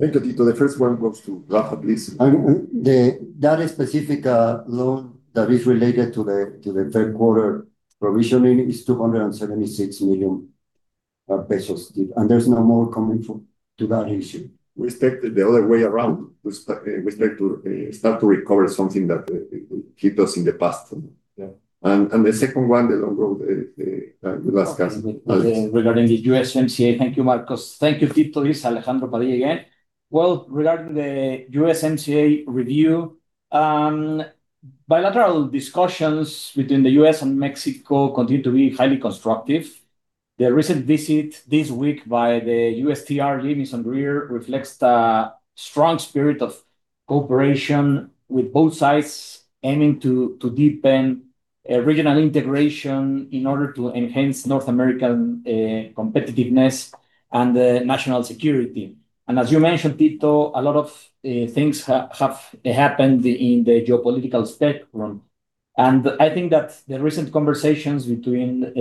B: Thank you, Tito. The first one goes to Rafa. Please.
C: That specific loan that is related to the third quarter provisioning is 276 million pesos. There's no more coming to that issue.
B: We expect it the other way around. We expect to start to recover something that hit us in the past. The second one, the loan growth, you ask us.
F: Regarding the USMCA. Thank you, Marcos. Thank you, Tito. This is Alejandro Padilla again. Well, regarding the USMCA review, bilateral discussions between the U.S. and Mexico continue to be highly constructive. The recent visit this week by the USTR, Jaime Sanchez reflects the strong spirit of cooperation with both sides aiming to deepen regional integration in order to enhance North American competitiveness and national security. As you mentioned, Tito, a lot of things have happened in the geopolitical spectrum, and I think that the recent conversations between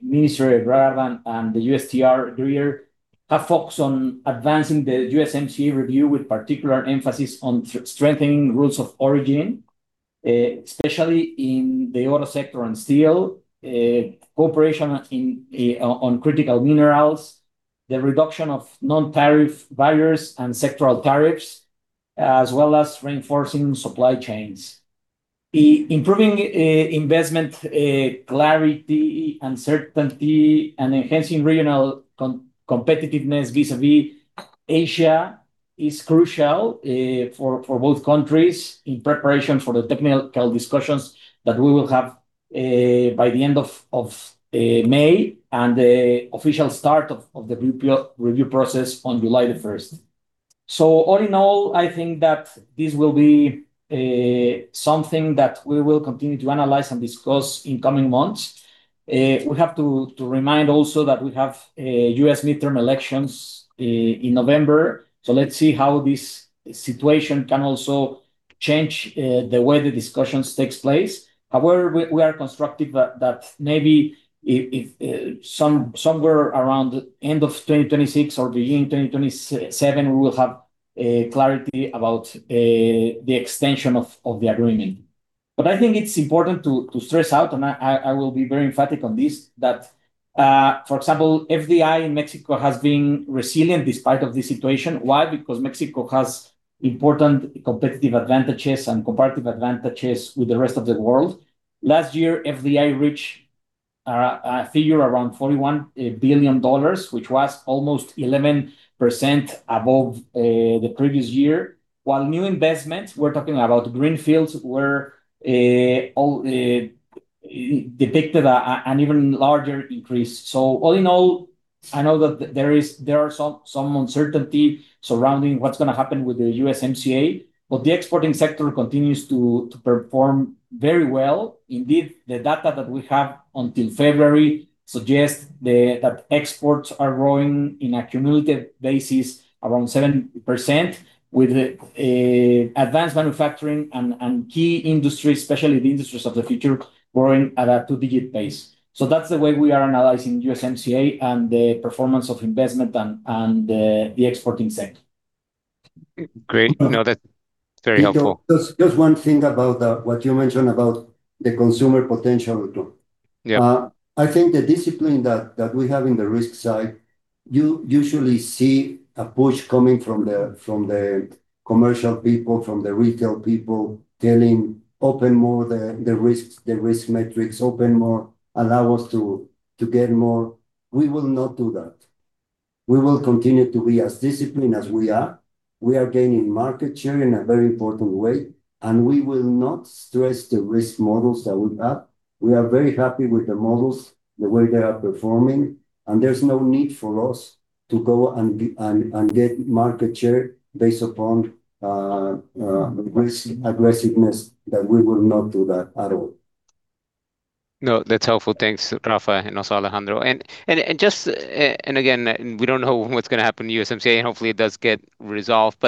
F: Minister Ebrard and the USTR Greer have focused on advancing the USMCA review with particular emphasis on strengthening rules of origin, especially in the auto sector and steel, cooperation on critical minerals, the reduction of non-tariff barriers and sectoral tariffs, as well as reinforcing supply chains. Improving investment clarity, uncertainty, and enhancing regional competitiveness vis-à-vis Asia is crucial for both countries in preparation for the technical discussions that we will have by the end of May, and the official start of the review process on July the 1st. All in all, I think that this will be something that we will continue to analyze and discuss in coming months. We have to remind also that we have U.S. midterm elections in November. Let's see how this situation can also change the way the discussions takes place. However, we are constructive that maybe somewhere around the end of 2026 or beginning 2027, we will have. There's clarity about the extension of the agreement. I think it's important to point out, and I will be very emphatic on this, that, for example, FDI in Mexico has been resilient despite this situation. Why? Because Mexico has important competitive advantages and comparative advantages with the rest of the world. Last year, FDI reached a figure around $41 billion, which was almost 11% above the previous year. While new investments, we're talking about greenfields, depicted an even larger increase. All in all, I know that there are some uncertainty surrounding what's going to happen with the USMCA, but the exporting sector continues to perform very well. Indeed, the data that we have until February suggests that exports are growing on a cumulative basis around 7%, with advanced manufacturing and key industries, especially the industries of the future, growing at a two-digit pace. That's the way we are analyzing USMCA and the performance of investment and the exporting sector.
G: Great. No, that's very helpful.
C: Tito, just one thing about what you mentioned about the consumer potential too.
G: Yeah.
C: I think the discipline that we have in the risk side, you usually see a push coming from the commercial people, from the retail people, telling, "Open more the risks, the risk metrics, open more, allow us to get more." We will not do that. We will continue to be as disciplined as we are. We are gaining market share in a very important way, and we will not stretch the risk models that we have. We are very happy with the models, the way they are performing, and there's no need for us to go and get market share based upon risk aggressiveness, that we will not do that at all.
G: No, that's helpful. Thanks, Rafa and also Alejandro. Again, we don't know what's going to happen to USMCA, and hopefully it does get resolved.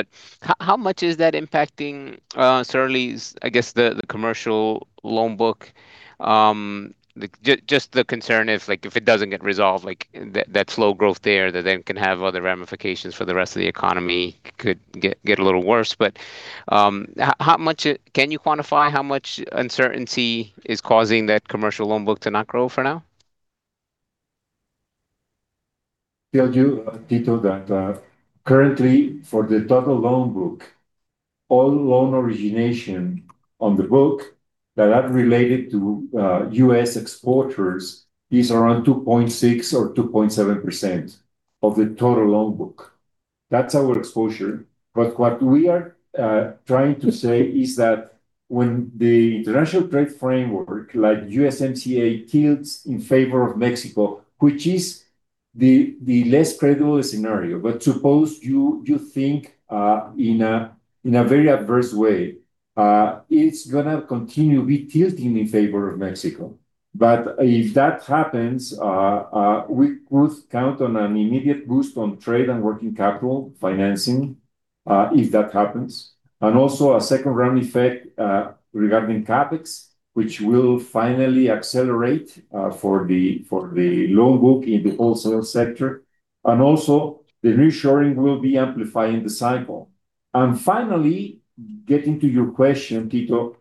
G: How much is that impacting, certainly, I guess the commercial loan book? Just the concern if it doesn't get resolved, that slow growth there that then can have other ramifications for the rest of the economy could get a little worse. Can you quantify how much uncertainty is causing that commercial loan book to not grow for now?
B: Tell you, Tito, that currently for the total loan book, all loan origination on the book that are related to U.S. exporters is around 2.6%-2.7% of the total loan book. That's our exposure. What we are trying to say is that when the international trade framework like USMCA tilts in favor of Mexico, which is the less credible scenario. Suppose you think in a very adverse way, it's going to continue to be tilting in favor of Mexico. If that happens, we would count on an immediate boost to trade and working capital financing, if that happens. A second round effect regarding CapEx, which will finally accelerate for the loan book in the wholesale sector. The reshoring will be amplifying the cycle. Finally, getting to your question, Tito,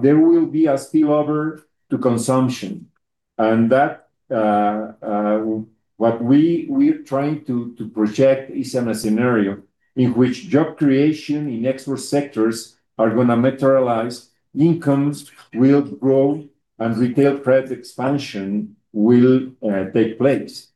B: there will be a spillover to consumption and that's what we're trying to project is a scenario in which job creation in export sectors are going to materialize, incomes will grow, and retail credit expansion will take place.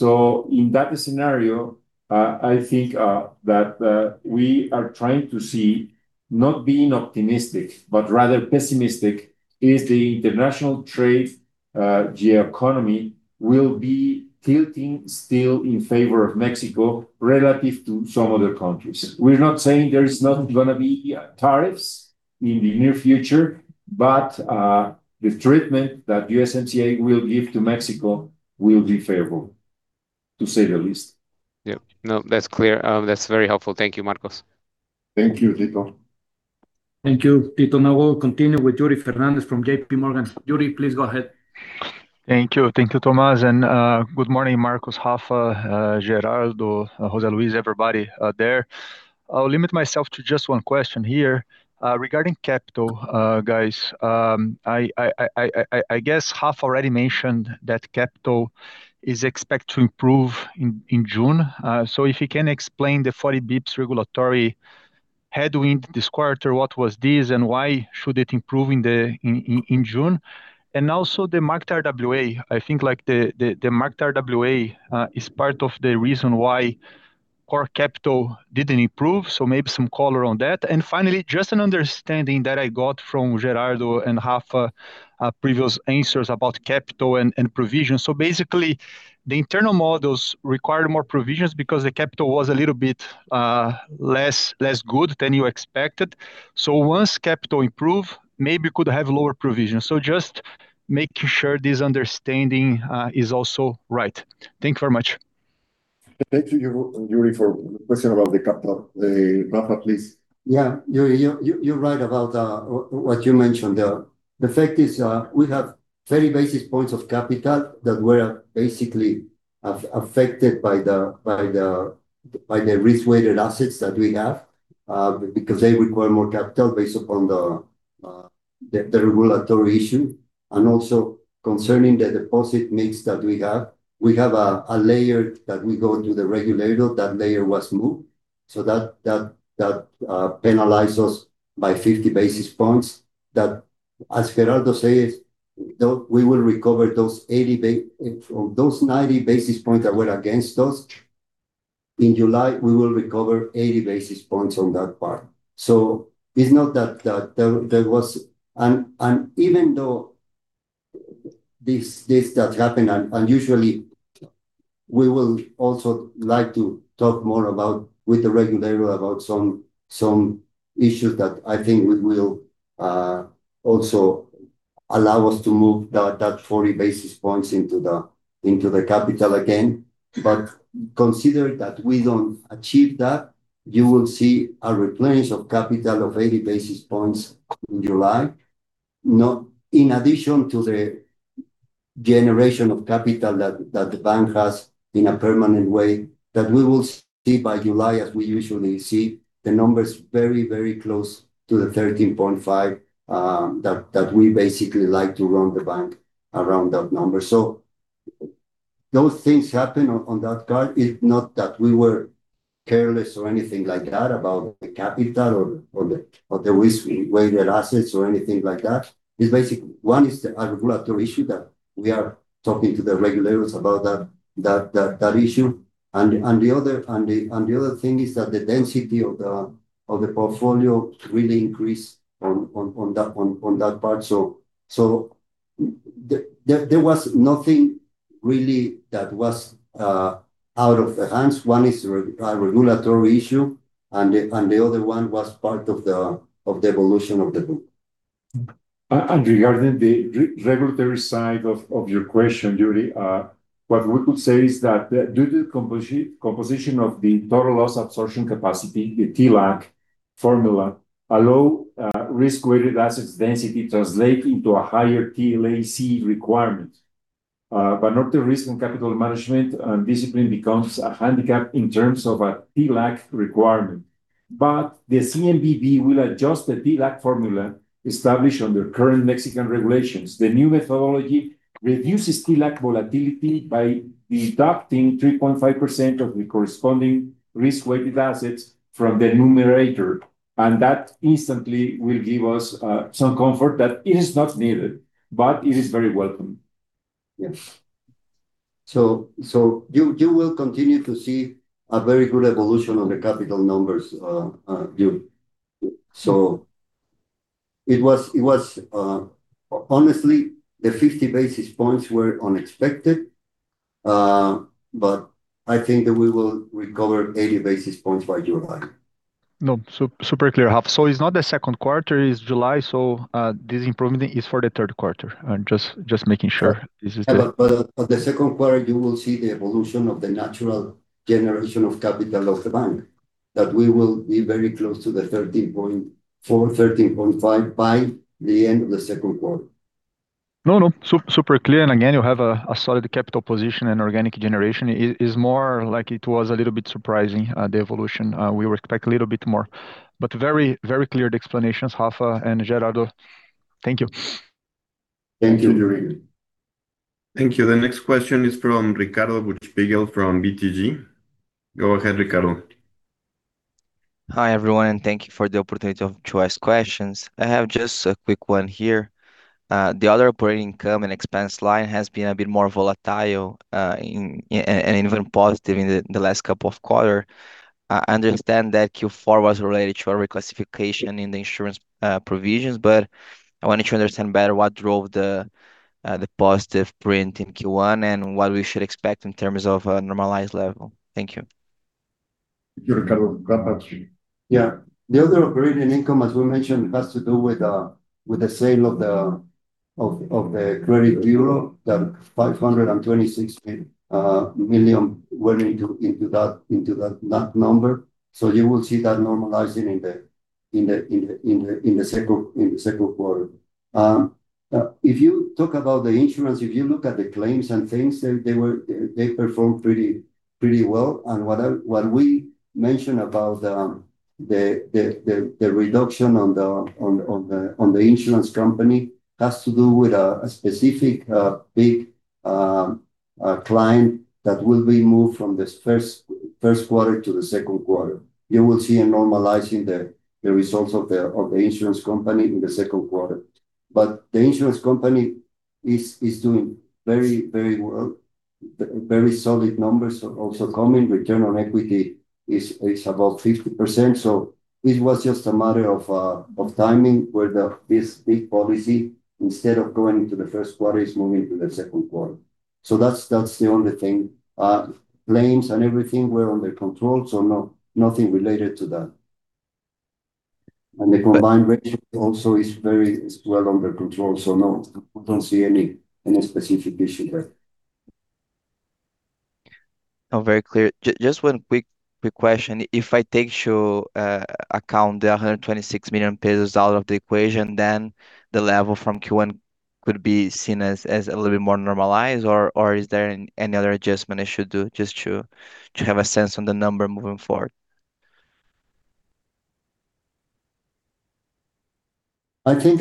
B: In that scenario, I think that we are trying to see, not being optimistic, but rather pessimistic, is the international trade geoeconomy will be tilting still in favor of Mexico relative to some other countries. We're not saying there is not going to be tariffs in the near future, but the treatment that USMCA will give to Mexico will be favorable, to say the least.
G: Yeah. No, that's clear. That's very helpful. Thank you, Marcos.
B: Thank you, Tito.
A: Thank you, Tito. Now we'll continue with Yuri Fernandes from JPMorgan. Yuri, please go ahead.
H: Thank you. Thank you, Tomás. Good morning, Marcos, Rafa, Gerardo, José Luis, everybody there. I'll limit myself to just one question here. Regarding capital, guys. I guess Rafa already mentioned that capital is expected to improve in June. If you can explain the 40 basis points regulatory headwind this quarter, what was this, and why should it improve in June? Also the marked RWA. I think the marked RWA is part of the reason why core capital didn't improve, so maybe some color on that. Finally, just an understanding that I got from Gerardo and Rafa, previous answers about capital and provision. Basically, the internal models required more provisions because the capital was a little bit less good than you expected. Once capital improve, maybe could have lower provisions. Just making sure this understanding is also right. Thank you very much.
B: Thank you, Yuri, for the question about the capital. Rafa, please.
C: Yeah, you're right about what you mentioned there. The fact is, we have 30 basis points of capital that were basically affected by the risk-weighted assets that we have, because they require more capital based upon the regulatory issue. Also concerning the deposit mix that we have, we have a layer that we go to the regulator, that layer was moved, so that penalizes by 50 basis points. That, as Gerardo says, we will recover those 90 basis points that were against us. In July, we will recover 80 basis points on that part. It's not that there was. Even though this does happen, unusually, we will also like to talk more with the regulator about some issues that I think will also allow us to move that 40 basis points into the capital again. Consider that we don't achieve that, you will see a replenishment of capital of 80 basis points in July. In addition to the generation of capital that the bank has in a permanent way, that we will see by July as we usually see the numbers very close to the 13.5, that we basically like to run the bank around that number. Those things happen in that regard. It's not that we were careless or anything like that about the capital or the risk-weighted assets or anything like that. One is the regulatory issue, that we are talking to the regulators about that issue. The other thing is that the density of the portfolio really increased on that part. There was nothing really that was out of hand. One is a regulatory issue, and the other one was part of the evolution of the book.
D: Regarding the regulatory side of your question, Yuri, what we could say is that due to composition of the total loss-absorbing capacity, the TLAC formula, a low risk-weighted assets density translate into a higher TLAC requirement. Not the risk and capital management, and discipline becomes a handicap in terms of a TLAC requirement. The CNBV will adjust the TLAC formula established under current Mexican regulations. The new methodology reduces TLAC volatility by deducting 3.5% of the corresponding risk-weighted assets from the numerator. That instantly will give us some comfort that it is not needed, but it is very welcome.
C: Yes. You will continue to see a very good evolution on the capital numbers, Yuri. Honestly, the 50 basis points were unexpected, but I think that we will recover 80 basis points by July.
H: No. Super clear, Rafa. It's not the second quarter, it's July, so this improvement is for the third quarter. Just making sure. This is the-
C: The second quarter, you will see the evolution of the natural generation of capital of the bank that we will be very close to 13.4%-13.5% by the end of the second quarter.
H: No, no. Super clear. Again, you have a solid capital position and organic generation. It is more like it was a little bit surprising, the evolution. We were expect a little bit more. Very clear the explanations, Rafa and Gerardo. Thank you.
C: Thank you, Yuri.
A: Thank you. The next question is from Ricardo Buchpiguel from BTG. Go ahead, Ricardo.
I: Hi, everyone, and thank you for the opportunity to ask questions. I have just a quick one here. The other operating income and expense line has been a bit more volatile, and even positive in the last couple of quarter. I understand that Q4 was related to a reclassification in the insurance provisions, but I wanted to understand better what drove the positive print in Q1, and what we should expect in terms of a normalized level. Thank you.
B: Sure, Ricardo. Rafa?
C: Yeah. The other operating income, as we mentioned, has to do with the sale of the credit bureau. The 526 million went into that number. You will see that normalizing in the second quarter. If you talk about the insurance, if you look at the claims and things, they performed pretty well. What we mentioned about the reduction on the insurance company has to do with a specific, big client that will be moved from the first quarter to the second quarter. You will see normalizing the results of the insurance company in the second quarter. But the insurance company is doing very well. Very solid numbers are also coming. Return on equity is about 50%. It was just a matter of timing, where this big policy, instead of going into the first quarter, is moving to the second quarter. That's the only thing. Claims and everything were under control, so nothing related to that. The combined ratio also is well under control, so no, we don't see any specific issue there.
I: Very clear. Just one quick question. If I take into account the 126 million pesos out of the equation, then the level from Q1 could be seen as a little bit more normalized, or is there any other adjustment I should do just to have a sense on the number moving forward?
C: I think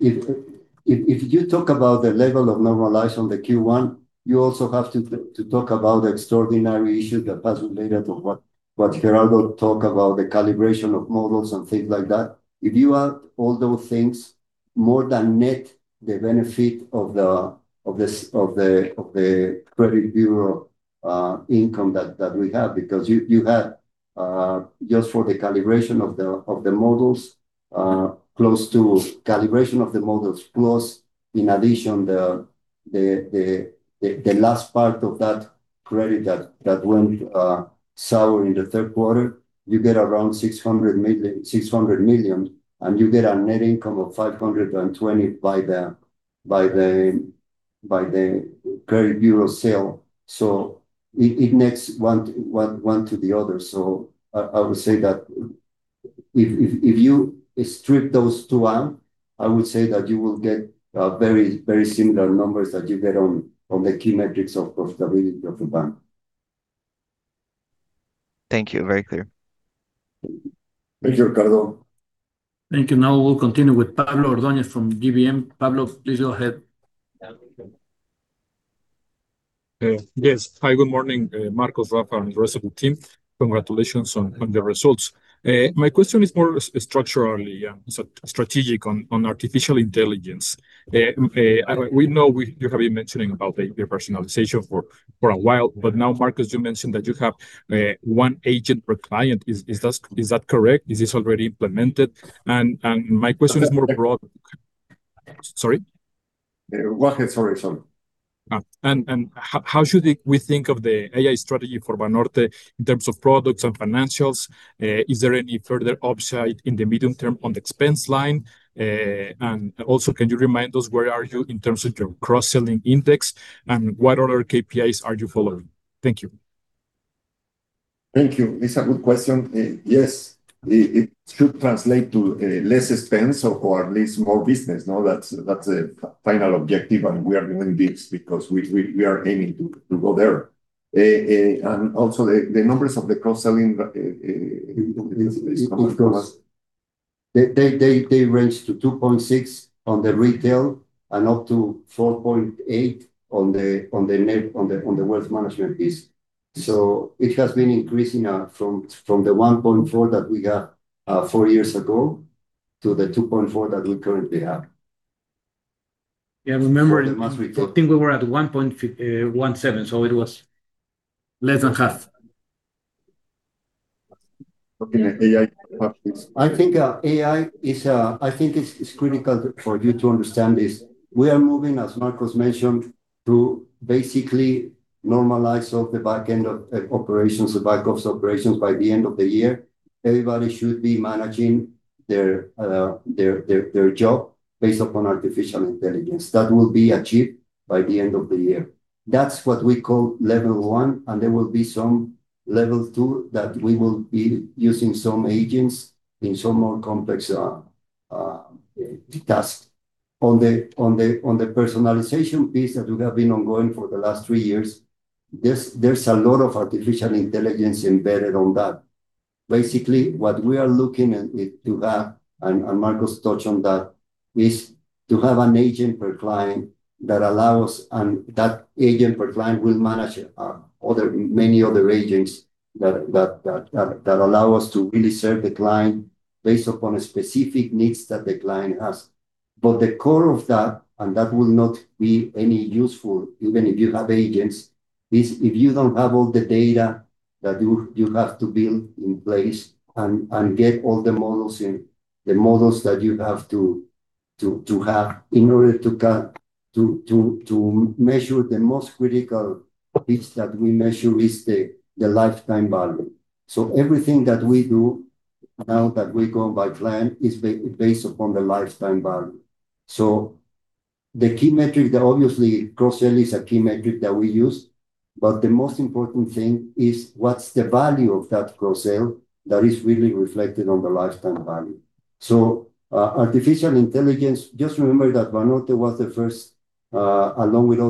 C: if you talk about the level of normalization on the Q1, you also have to talk about the extraordinary issue that was related to what Gerardo talked about, the calibration of models and things like that. If you add all those things, more than net the benefit of the credit bureau income that we have, because you had just for the calibration of the models, close to calibration of the models, plus in addition, the last part of that credit that went sour in the third quarter, you get around 600 million, and you get a net income of 520 million by the credit bureau sale. It nets one to the other. I would say that if you strip those two out, I would say that you will get very similar numbers that you get on the key metrics of profitability of the bank.
I: Thank you. Very clear.
C: Thank you, Ricardo.
J: Thank you. Now we'll continue with Pablo Ordoñez from GBM. Pablo, please go ahead.
K: Yes. Hi, good morning, Marcos, Rafa, and the rest of the team. Congratulations on the results. My question is more structurally strategic on artificial intelligence. We know you have been mentioning about the personalization for a while, but now, Marcos, you mentioned that you have one agent per client. Is that correct? Is this already implemented? My question is more broad. Sorry?
C: Go ahead. Sorry.
K: How should we think of the AI strategy for Banorte in terms of products and financials? Is there any further upside in the medium term on the expense line? Can you remind us where are you in terms of your cross-selling index, and what other KPIs are you following? Thank you.
C: Thank you. It's a good question. Yes, it should translate to less expense or at least more business. Now, that's the final objective, and we are doing this because we are aiming to go there. Also, the numbers of the cross-selling they range to 2.6 on the retail and up to 4.8 on the wealth management piece. It has been increasing from the 1.4 that we had four years ago to the 2.4 that we currently have.
B: Yeah, I remember I think we were at 1.7, so it was less than half.
C: I think AI is critical for you to understand this. We are moving, as Marcos mentioned, to basically normalize all the back end of operations, the back office operations by the end of the year. Everybody should be managing their job based upon artificial intelligence. That will be achieved by the end of the year. That's what we call level one, and there will be some level two that we will be using some agents in some more complex tasks. On the personalization piece that we have been ongoing for the last three years, there's a lot of artificial intelligence embedded on that. Basically, what we are looking to have, and Marcos touched on that, is to have an agent per client that allow us, and that agent per client will manage many other agents that allow us to really serve the client based upon specific needs that the client has. The core of that, and that will not be any useful even if you have agents, is if you don't have all the data that you have to build in place and get all the models in, the models that you have to have in order to measure the most critical piece that we measure is the lifetime value. Everything that we do now that we go by client is based upon the lifetime value. The key metric, obviously, cross-sell is a key metric that we use, but the most important thing is what's the value of that cross-sell that is really reflected on the lifetime value. Artificial intelligence, just remember that Banorte was the first, along with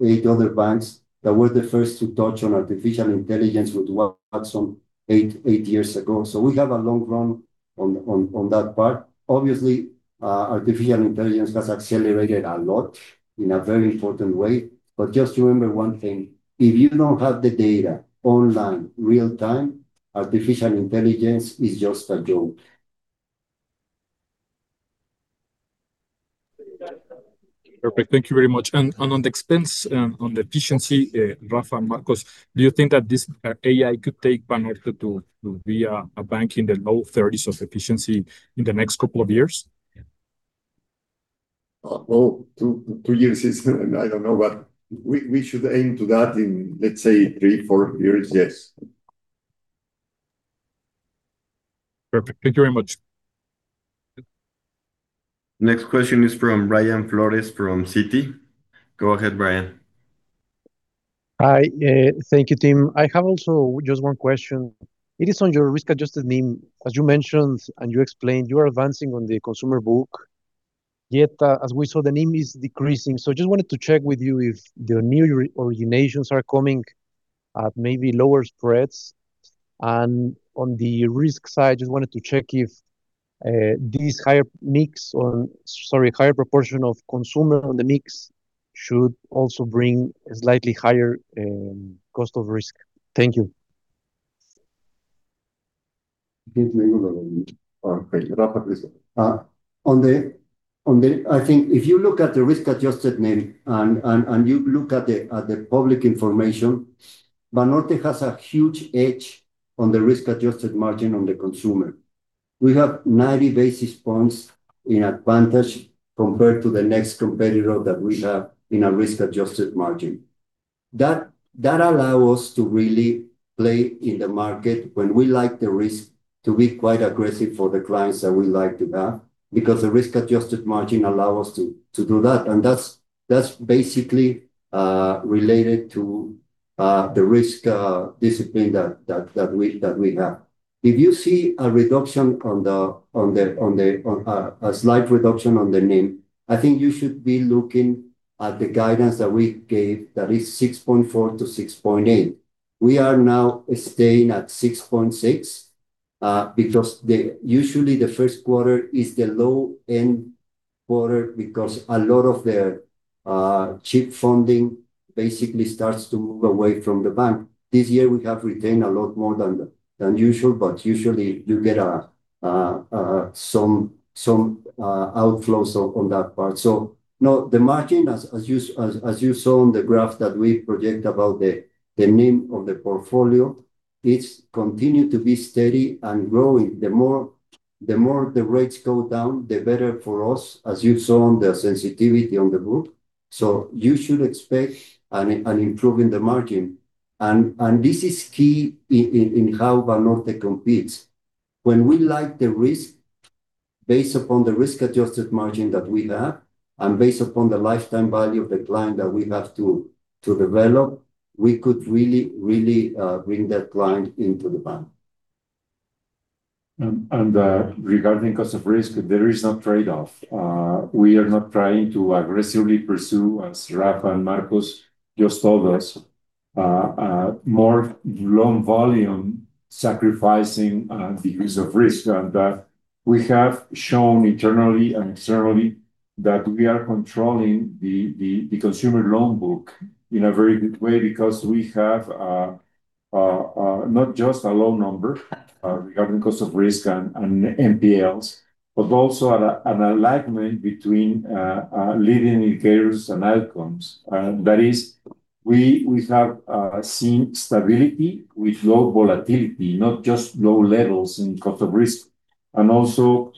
C: eight other banks, that were the first to touch on artificial intelligence with Watson eight years ago. We have a long run on that part. Obviously, artificial intelligence has accelerated a lot in a very important way. Just remember one thing, if you don't have the data online real-time, artificial intelligence is just a joke.
K: Perfect. Thank you very much. On the expense, on the efficiency, Rafa, Marcos, do you think that this AI could take Banorte to be a bank in the low 30s of efficiency in the next couple of years?
B: Well, two years is, I don't know, but we should aim to that in, let's say, three, four years, yes.
K: Perfect. Thank you very much.
J: Next question is from Brian Flores from Citi. Go ahead, Brian.
L: Hi. Thank you, team. I have also just one question. It is on your risk-adjusted NIM, as you mentioned, and you explained you are advancing on the consumer book, yet, as we saw, the NIM is decreasing. Just wanted to check with you if the new originations are coming at maybe lower spreads. On the risk side, just wanted to check if these higher proportion of consumer on the mix should also bring a slightly higher cost of risk. Thank you.
C: I think if you look at the risk-adjusted NIM, and you look at the public information, Banorte has a huge edge on the risk-adjusted margin on the consumer. We have 90 basis points in advantage compared to the next competitor that we have in a risk-adjusted margin. That allow us to really play in the market when we like the risk to be quite aggressive for the clients that we like to have, because the risk-adjusted margin allow us to do that, and that's basically related to the risk discipline that we have. If you see a slight reduction on the NIM, I think you should be looking at the guidance that we gave, that is 6.4%-6.8%. We are now staying at 6.6%, because usually the first quarter is the low-end quarter because a lot of the cheap funding basically starts to move away from the bank. This year, we have retained a lot more than usual, but usually you get some outflows on that part. No, the margin as you saw on the graph that we project about the NIM of the portfolio, it's continued to be steady and growing. The more the rates go down, the better for us, as you saw on the sensitivity on the book. You should expect an improvement in the margin. This is key in how Banorte competes. When we like the risk based upon the risk-adjusted margin that we have and based upon the lifetime value of the client that we have to develop, we could really bring that client into the bank.
D: Regarding cost of risk, there is no trade-off. We are not trying to aggressively pursue, as Rafa and Marcos just told us, more loan volume sacrificing degrees of risk. We have shown internally and externally that we are controlling the consumer loan book in a very good way because we have not just a loan number, regarding cost of risk and NPLs, but also an alignment between leading indicators and outcomes. That is, we have seen stability with low volatility, not just low levels in cost of risk. Also,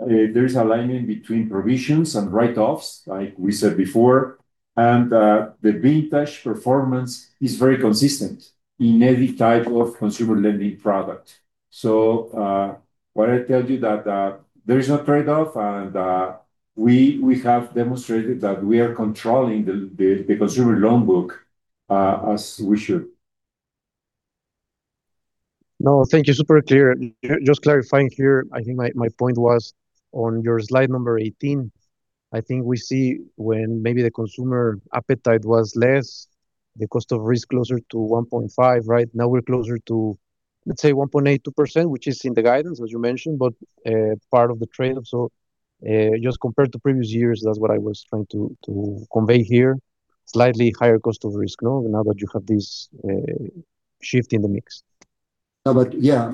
D: there is alignment between provisions and write-offs, like we said before. The vintage performance is very consistent in every type of consumer lending product. What I tell you that there is no trade-off and we have demonstrated that we are controlling the consumer loan book as we should.
L: No, thank you. Super clear. Just clarifying here, I think my point was on your slide number 18. I think we see when maybe the consumer appetite was less, the cost of risk closer to 1.5%. Right now, we're closer to, let's say, 1.82%, which is in the guidance, as you mentioned, but part of the trade-off. Just compared to previous years, that's what I was trying to convey here. Slightly higher cost of risk now that you have this shift in the mix.
C: No, yeah.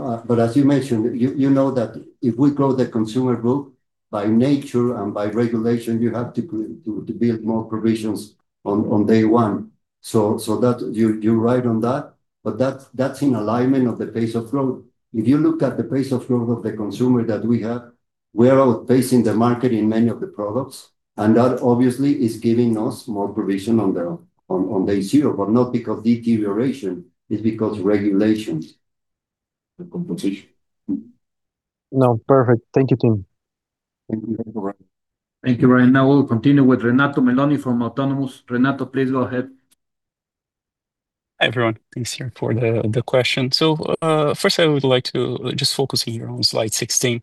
C: As you mentioned, you know that if we grow the consumer book, by nature and by regulation, you have to build more provisions on day one. You're right on that. That's in alignment of the pace of growth. If you look at the pace of growth of the consumer that we have, we are outpacing the market in many of the products, and that obviously is giving us more provision on day zero, but not because deterioration, it's because regulations. The competition.
L: No. Perfect. Thank you, team.
C: Thank you.
J: Thank you, Brian. Now we'll continue with Renato Meloni from Autonomous. Renato, please go ahead.
M: Hi, everyone. Thanks for the question. First I would like to just focus here on slide 16.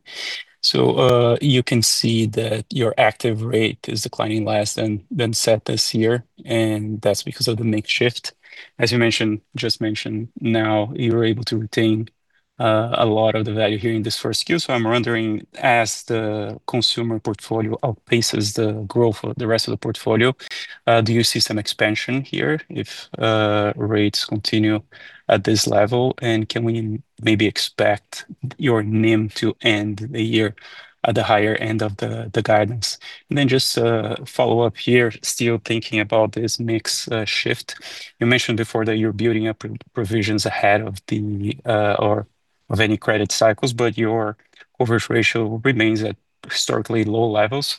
M: You can see that your active rate is declining less than expected this year, and that's because of the mix shift. As you just mentioned, now you're able to retain a lot of the value here in this first Q. I'm wondering, as the consumer portfolio outpaces the growth of the rest of the portfolio, do you see some expansion here if rates continue at this level, and can we maybe expect your NIM to end the year at the higher end of the guidance? Then just follow up here, still thinking about this mix shift. You mentioned before that you're building up provisions ahead of any credit cycles, but your coverage ratio remains at historically low levels.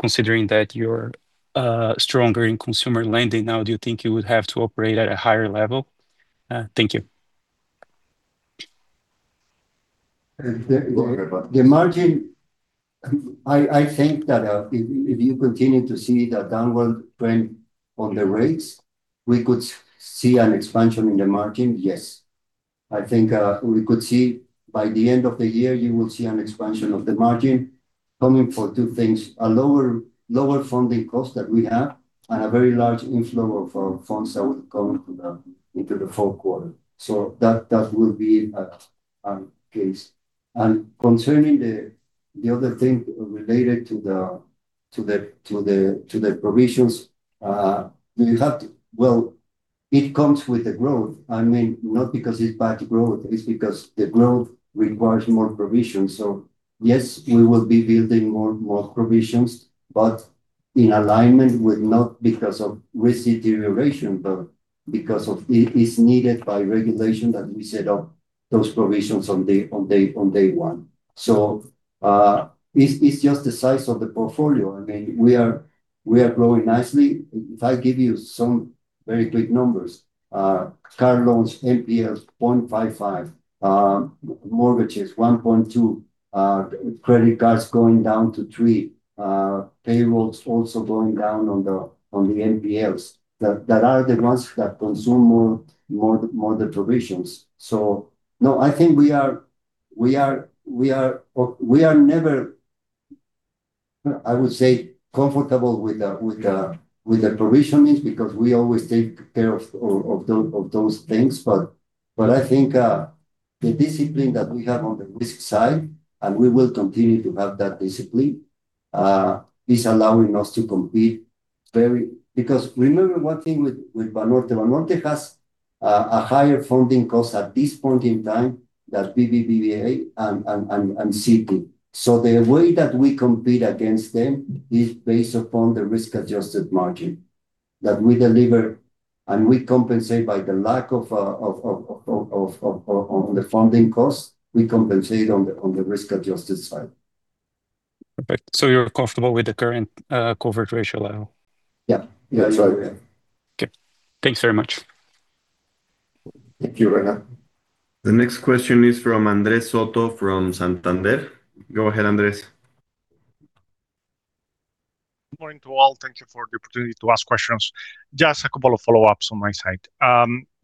M: Considering that your stronger in consumer lending now, do you think you would have to operate at a higher level? Thank you.
B: Go ahead, bud.
C: The margin, I think that if you continue to see the downward trend on the rates, we could see an expansion in the margin. Yes, I think we could see by the end of the year, you will see an expansion of the margin coming for two things, a lower funding cost that we have, and a very large inflow of funds that will come into the fourth quarter. That will be our case. Concerning the other thing related to the provisions, well, it comes with the growth. Not because it's bad growth, it's because the growth requires more provisions. Yes, we will be building more provisions, but in alignment with not because of risk deterioration, but because it is needed by regulation that we set up those provisions on day one. It's just the size of the portfolio. We are growing nicely. If I give you some very quick numbers, car loans NPLs 0.55%. Mortgages 1.2%. Credit cards going down to 3%. Payrolls also going down on the NPLs. That are the ones that consume more of the provisions. No, I think we are never, I would say, comfortable with the provisionings because we always take care of those things. I think the discipline that we have on the risk side, and we will continue to have that discipline, is allowing us to compete. Because remember one thing with Banorte. Banorte has a higher funding cost at this point in time than BBVA and Citi. The way that we compete against them is based upon the risk-adjusted margin that we deliver, and we compensate by the lack of the funding cost, we compensate on the risk-adjusted side.
M: Perfect. You're comfortable with the current coverage ratio level?
C: Yeah. That's right. Yeah.
M: Okay. Thanks very much.
C: Thank you, Renato.
J: The next question is from Andrés Soto from Santander. Go ahead, Andrés.
N: Good morning to all. Thank you for the opportunity to ask questions. Just a couple of follow-ups on my side.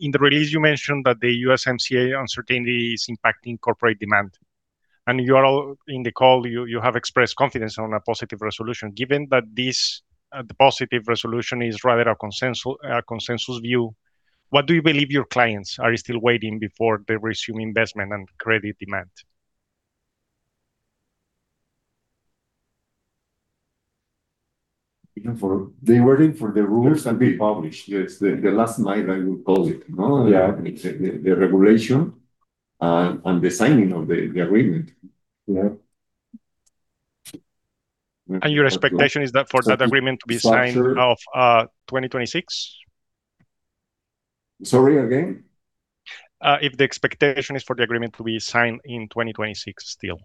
N: In the release, you mentioned that the USMCA uncertainty is impacting corporate demand, and you all on the call, you have expressed confidence on a positive resolution. Given that the positive resolution is rather a consensus view, what do you believe your clients are still waiting for before they resume investment and credit demand?
B: They're waiting for the rules to be published. Yes, the last mile, I would call it. The regulation and the signing of the agreement. Yeah.
N: Your expectation is that for that agreement to be signed in 2026?
B: Sorry, again.
N: If the expectation is for the agreement to be signed in 2026 still.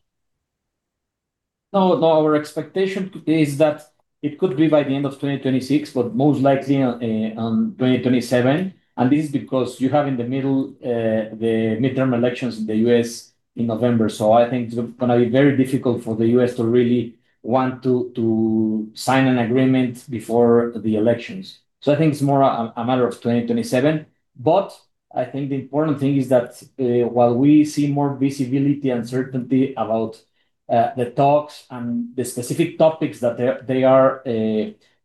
F: No, our expectation is that it could be by the end of 2026, but most likely in 2027, and this is because you have in the middle, the midterm elections in the U.S. in November. I think it's going to be very difficult for the U.S. to really want to sign an agreement before the elections. I think it's more a matter of 2027, but I think the important thing is that while we see more visibility and certainty about the talks and the specific topics that they are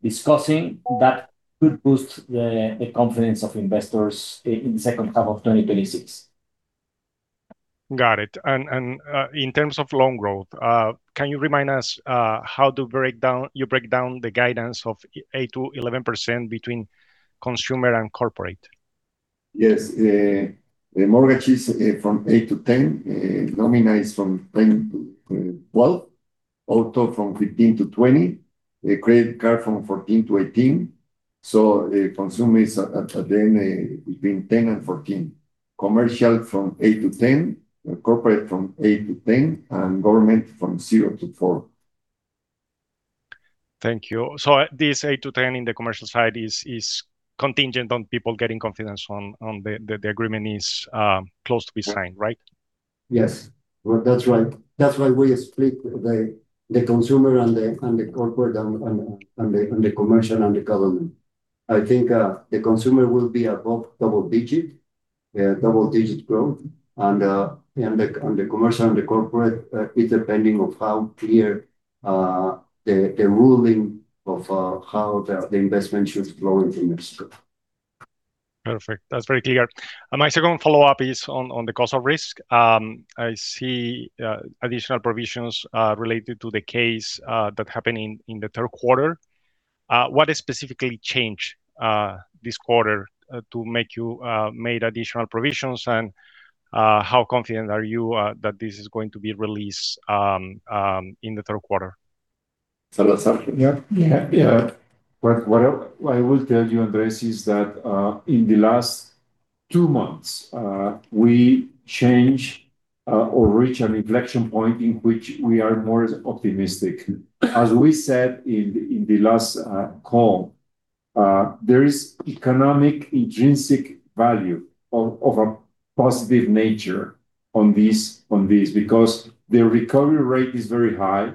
F: discussing, that could boost the confidence of investors in the second half of 2026.
N: Got it. In terms of loan growth, can you remind us how you break down the guidance of 8%-11% between consumer and corporate?
B: Yes. The mortgage is from 8%-10%. Nómina is from 10%-12%. Auto from 15%-20%. Credit card from 14%-18%. Consumer is between 10% and 14%. Commercial from 8%-10%, corporate from 8%-10%, and government from 0%-4%.
N: Thank you. This 8%-10% in the commercial side is contingent on people getting confidence on the agreement is close to be signed, right?
B: Yes. That's right. That's why we split the consumer and the corporate, and the commercial and the government. I think the consumer will be above double-digit growth, and the commercial and the corporate is depending on how clear the ruling of how the investment should flow into Mexico.
N: Perfect. That's very clear. My second follow-up is on the cost of risk. I see additional provisions related to the case that happened in the third quarter. What has specifically changed this quarter to make you make additional provisions, and how confident are you that this is going to be released in the third quarter?
C: That's Salazar.
D: Yeah. What I will tell you, Andrés, is that in the last two months we change or reach an inflection point in which we are more optimistic. As we said in the last call, there is economic intrinsic value of a positive nature on these, because their recovery rate is very high.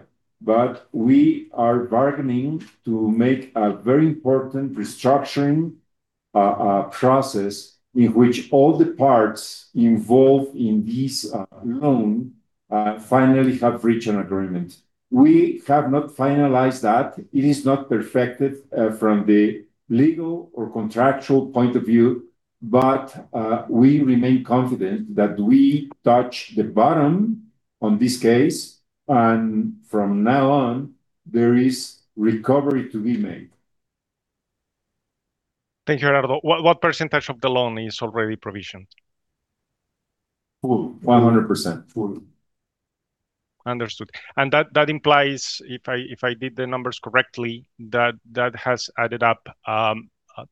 D: We are bargaining to make a very important restructuring process in which all the parts involved in this loan finally have reached an agreement. We have not finalized that. It is not perfected from the legal or contractual point of view, but we remain confident that we touch the bottom on this case, and from now on, there is recovery to be made.
N: Thank you, Gerardo. What percentage of the loan is already provisioned?
D: Full. 100% full.
N: Understood. That implies, if I did the numbers correctly, that that has added up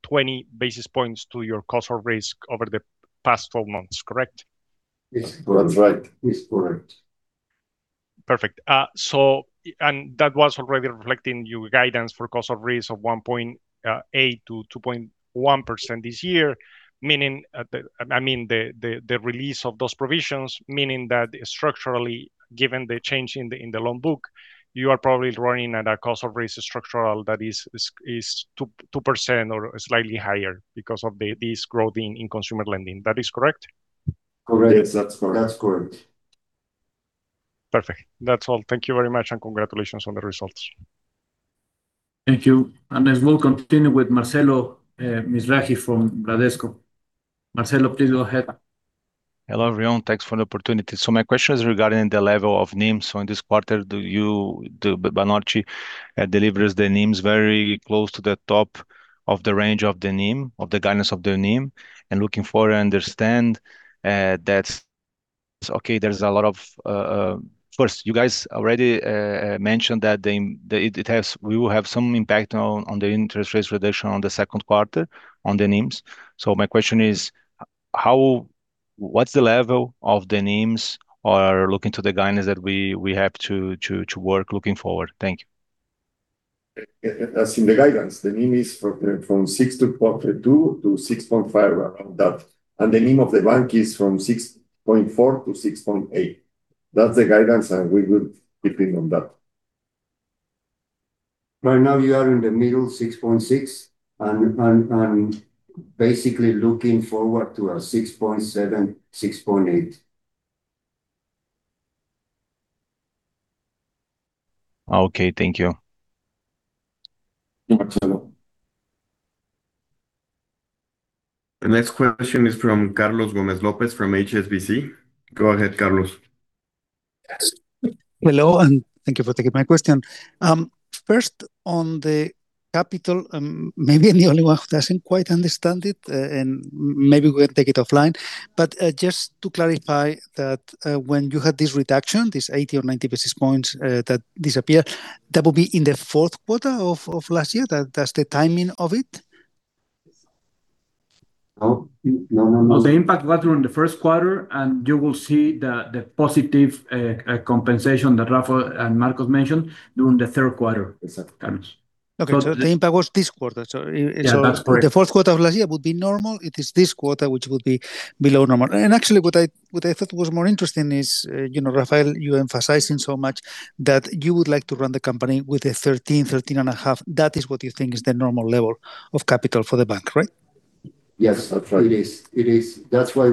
N: 20 basis points to your cost of risk over the past 12 months, correct?
D: Yes. That's right.
B: It's correct.
N: Perfect. That was already reflecting your guidance for cost of risk of 1.8%-2.1% this year. The release of those provisions, meaning that structurally, given the change in the loan book, you are probably running at a cost of risk structurally that is 2% or slightly higher because of this growth in consumer lending. That is correct?
B: Correct.
D: Yes, that's correct.
B: That's correct.
N: Perfect. That's all. Thank you very much, and congratulations on the results.
A: Thank you. Let's move. Continue with Marcelo Mizrahi from Bradesco. Marcelo, please go ahead.
O: Hello, everyone. Thanks for the opportunity. My question is regarding the level of NIM. In this quarter, Banorte delivers the NIMs very close to the top of the range of the NIM, of the guidance of the NIM, and looking forward, I understand that's okay. First, you guys already mentioned that we will have some impact on the interest rates reduction on the second quarter on the NIMs. My question is, what's the level of the NIMs or looking to the guidance that we have to work looking forward? Thank you.
B: In the guidance, the NIM is 6.2%-6.5% around that, and the NIM of the bank is 6.4%-6.8%. That's the guidance, and we would depend on that.
C: Right now you are in the middle, 6.6%, and basically looking forward to a 6.7%-6.8%.
O: Okay. Thank you.
B: Thank you, Marcelo.
A: The next question is from Carlos Gomez-Lopez from HSBC. Go ahead, Carlos.
P: Yes. Hello, and thank you for taking my question. First on the capital, maybe I'm the only one who doesn't quite understand it, and maybe we can take it offline. Just to clarify that when you had this reduction, this 80 or 90 basis points that disappeared, that will be in the fourth quarter of last year? That's the timing of it?
B: No.
D: No. The impact was during the first quarter, and you will see the positive compensation that Rafael and Marcos mentioned during the third quarter.
B: Exactly, Carlos.
P: Okay. The impact was this quarter.
D: Yeah, that's correct.
P: The fourth quarter of last year would be normal. It is this quarter which would be below normal. Actually, what I thought was more interesting is, Rafael, you're emphasizing so much that you would like to run the company with 13%-13.5%. That is what you think is the normal level of capital for the bank, right?
C: Yes. It is. That's why,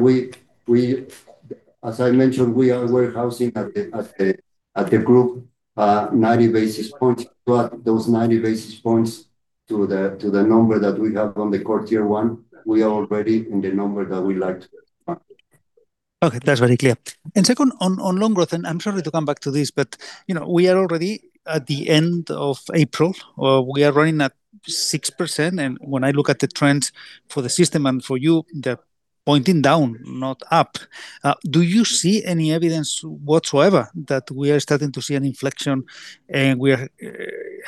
C: as I mentioned, we are warehousing at the group 90 basis points. Those 90 basis points to the number that we have on the core Tier 1, we are already in the number that we like to.
P: Okay, that's very clear. Second, on loan growth, and I'm sorry to come back to this, but we are already at the end of April. We are running at 6%, and when I look at the trends for the system and for you, they're pointing down, not up. Do you see any evidence whatsoever that we are starting to see an inflection, and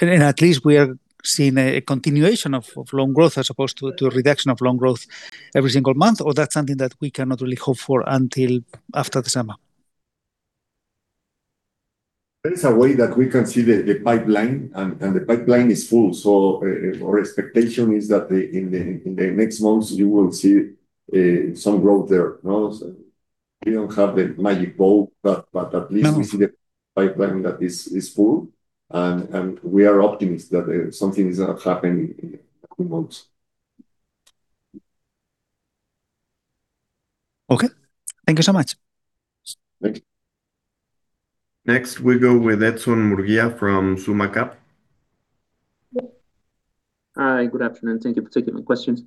P: at least we are seeing a continuation of loan growth as opposed to a reduction of loan growth every single month? Or that's something that we cannot really hope for until after the summer?
B: There is a way that we can see the pipeline, and the pipeline is full. Our expectation is that in the next months, you will see some growth there. We don't have the magic ball, but at least. We see the pipeline that is full, and we are optimistic that something is going to happen in a few months.
P: Okay. Thank you so much.
B: Thank you.
A: Next we go with Edson Murguia from SummaCap.
Q: Hi. Good afternoon. Thank you for taking my questions.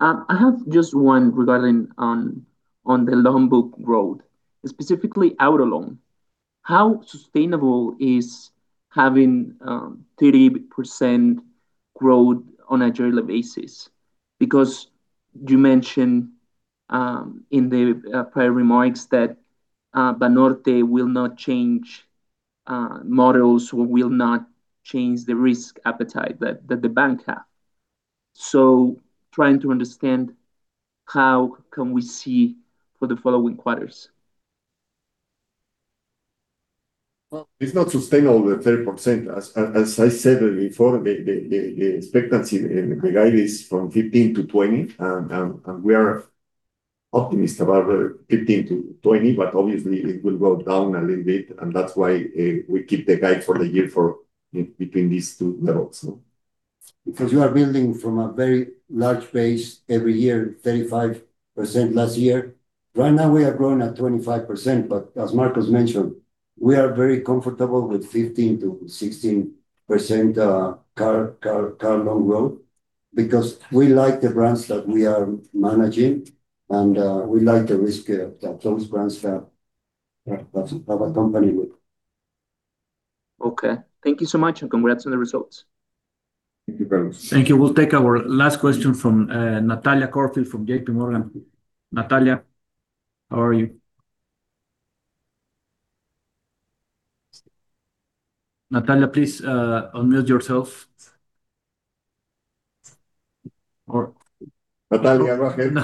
Q: I have just one regarding on the loan book growth, specifically auto loan. How sustainable is having 30% growth on a yearly basis? Because you mentioned, in the prior remarks that Banorte will not change models will not change the risk appetite that the bank have. Trying to understand how can we see for the following quarters?
B: Well, it's not sustainable, the 30%. As I said before, the expected, the guide is from 15%-20%, and we are optimistic about 15%-20%. Obviously, it will go down a little bit, and that's why we keep the guide for the year for between these two levels.
C: Because you are building from a very large base every year, 35% last year. Right now, we are growing at 25%, but as Marcos mentioned, we are very comfortable with 15%-16% car loan growth because we like the brands that we are managing, and we like the risk that those brands have, that have accompanied with.
Q: Okay. Thank you so much, and congrats on the results.
B: Thank you very much.
J: Thank you. We'll take our last question from Natalia Corfield from JPMorgan. Natalia, how are you? Natalia, please unmute yourself.
B: Natalia, go ahead.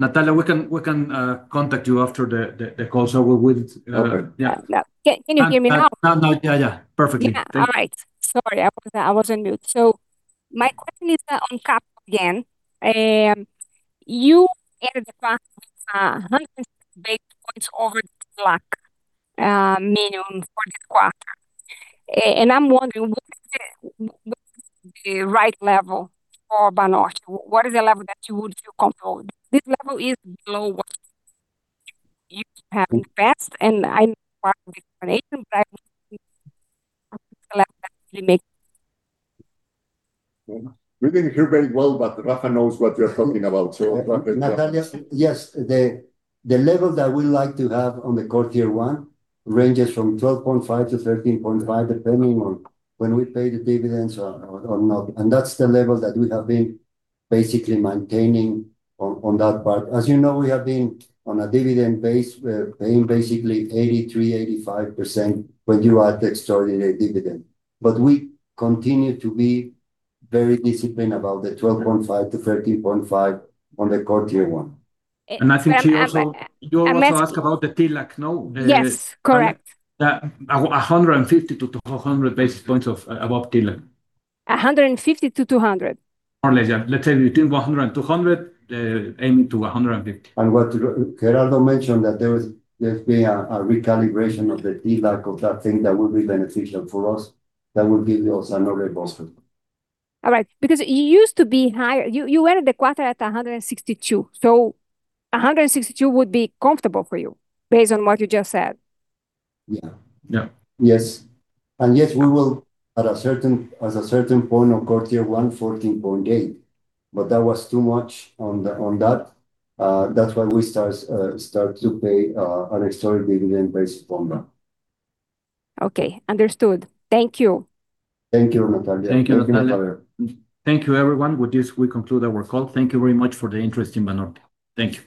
J: Natalia, we can contact you after the call.
R: Okay. Yeah. Can you hear me now?
J: Now. Yeah. Perfectly.
R: Yeah. All right. Sorry, I was on mute. My question is on CapEx again. You ended the quarter with 100 basis points over the TLAC minimum for this quarter. I'm wondering, what is the right level for Banorte? What is the level that you would feel comfortable? This level is below what you've had in the past, and I know part of the explanation, but I would still like to actually make...
B: We didn't hear very well, but Rafa knows what you're talking about, so Rafa.
C: Natalia, yes, the level that we like to have on the core Tier 1 ranges from 12.5%-13.5%, depending on when we pay the dividends or not. That's the level that we have been basically maintaining on that part. As you know, we have been on a dividend base. We're paying basically 83%, 85% when you add the extraordinary dividend. We continue to be very disciplined about the 12.5%-13.5% on the core Tier 1.
D: I think she also asked about the TLAC, no?
R: Yes. Correct.
D: 150-200 basis points above TLAC.
R: 150-200 basis points.
D: More or less, yeah. Let's say between 100 basis points and 200 basis points, aiming to 150 basis points.
C: What Gerardo mentioned, that there's been a recalibration of the TLAC, of that thing that will be beneficial for us, that will give us another buffer.
R: All right. Because you used to be higher. You ended the quarter at 162 basis points. 162 basis points would be comfortable for you, based on what you just said?
C: Yeah.
D: Yeah.
C: Yes. Yes, we will at a certain point of core Tier 1 14.8%. That was too much on that. That's why we start to pay an extraordinary dividend based upon that.
R: Okay. Understood. Thank you.
C: Thank you, Natalia.
J: Thank you, Natalia. Thank you, everyone. With this, we conclude our call. Thank you very much for the interest in Banorte. Thank you.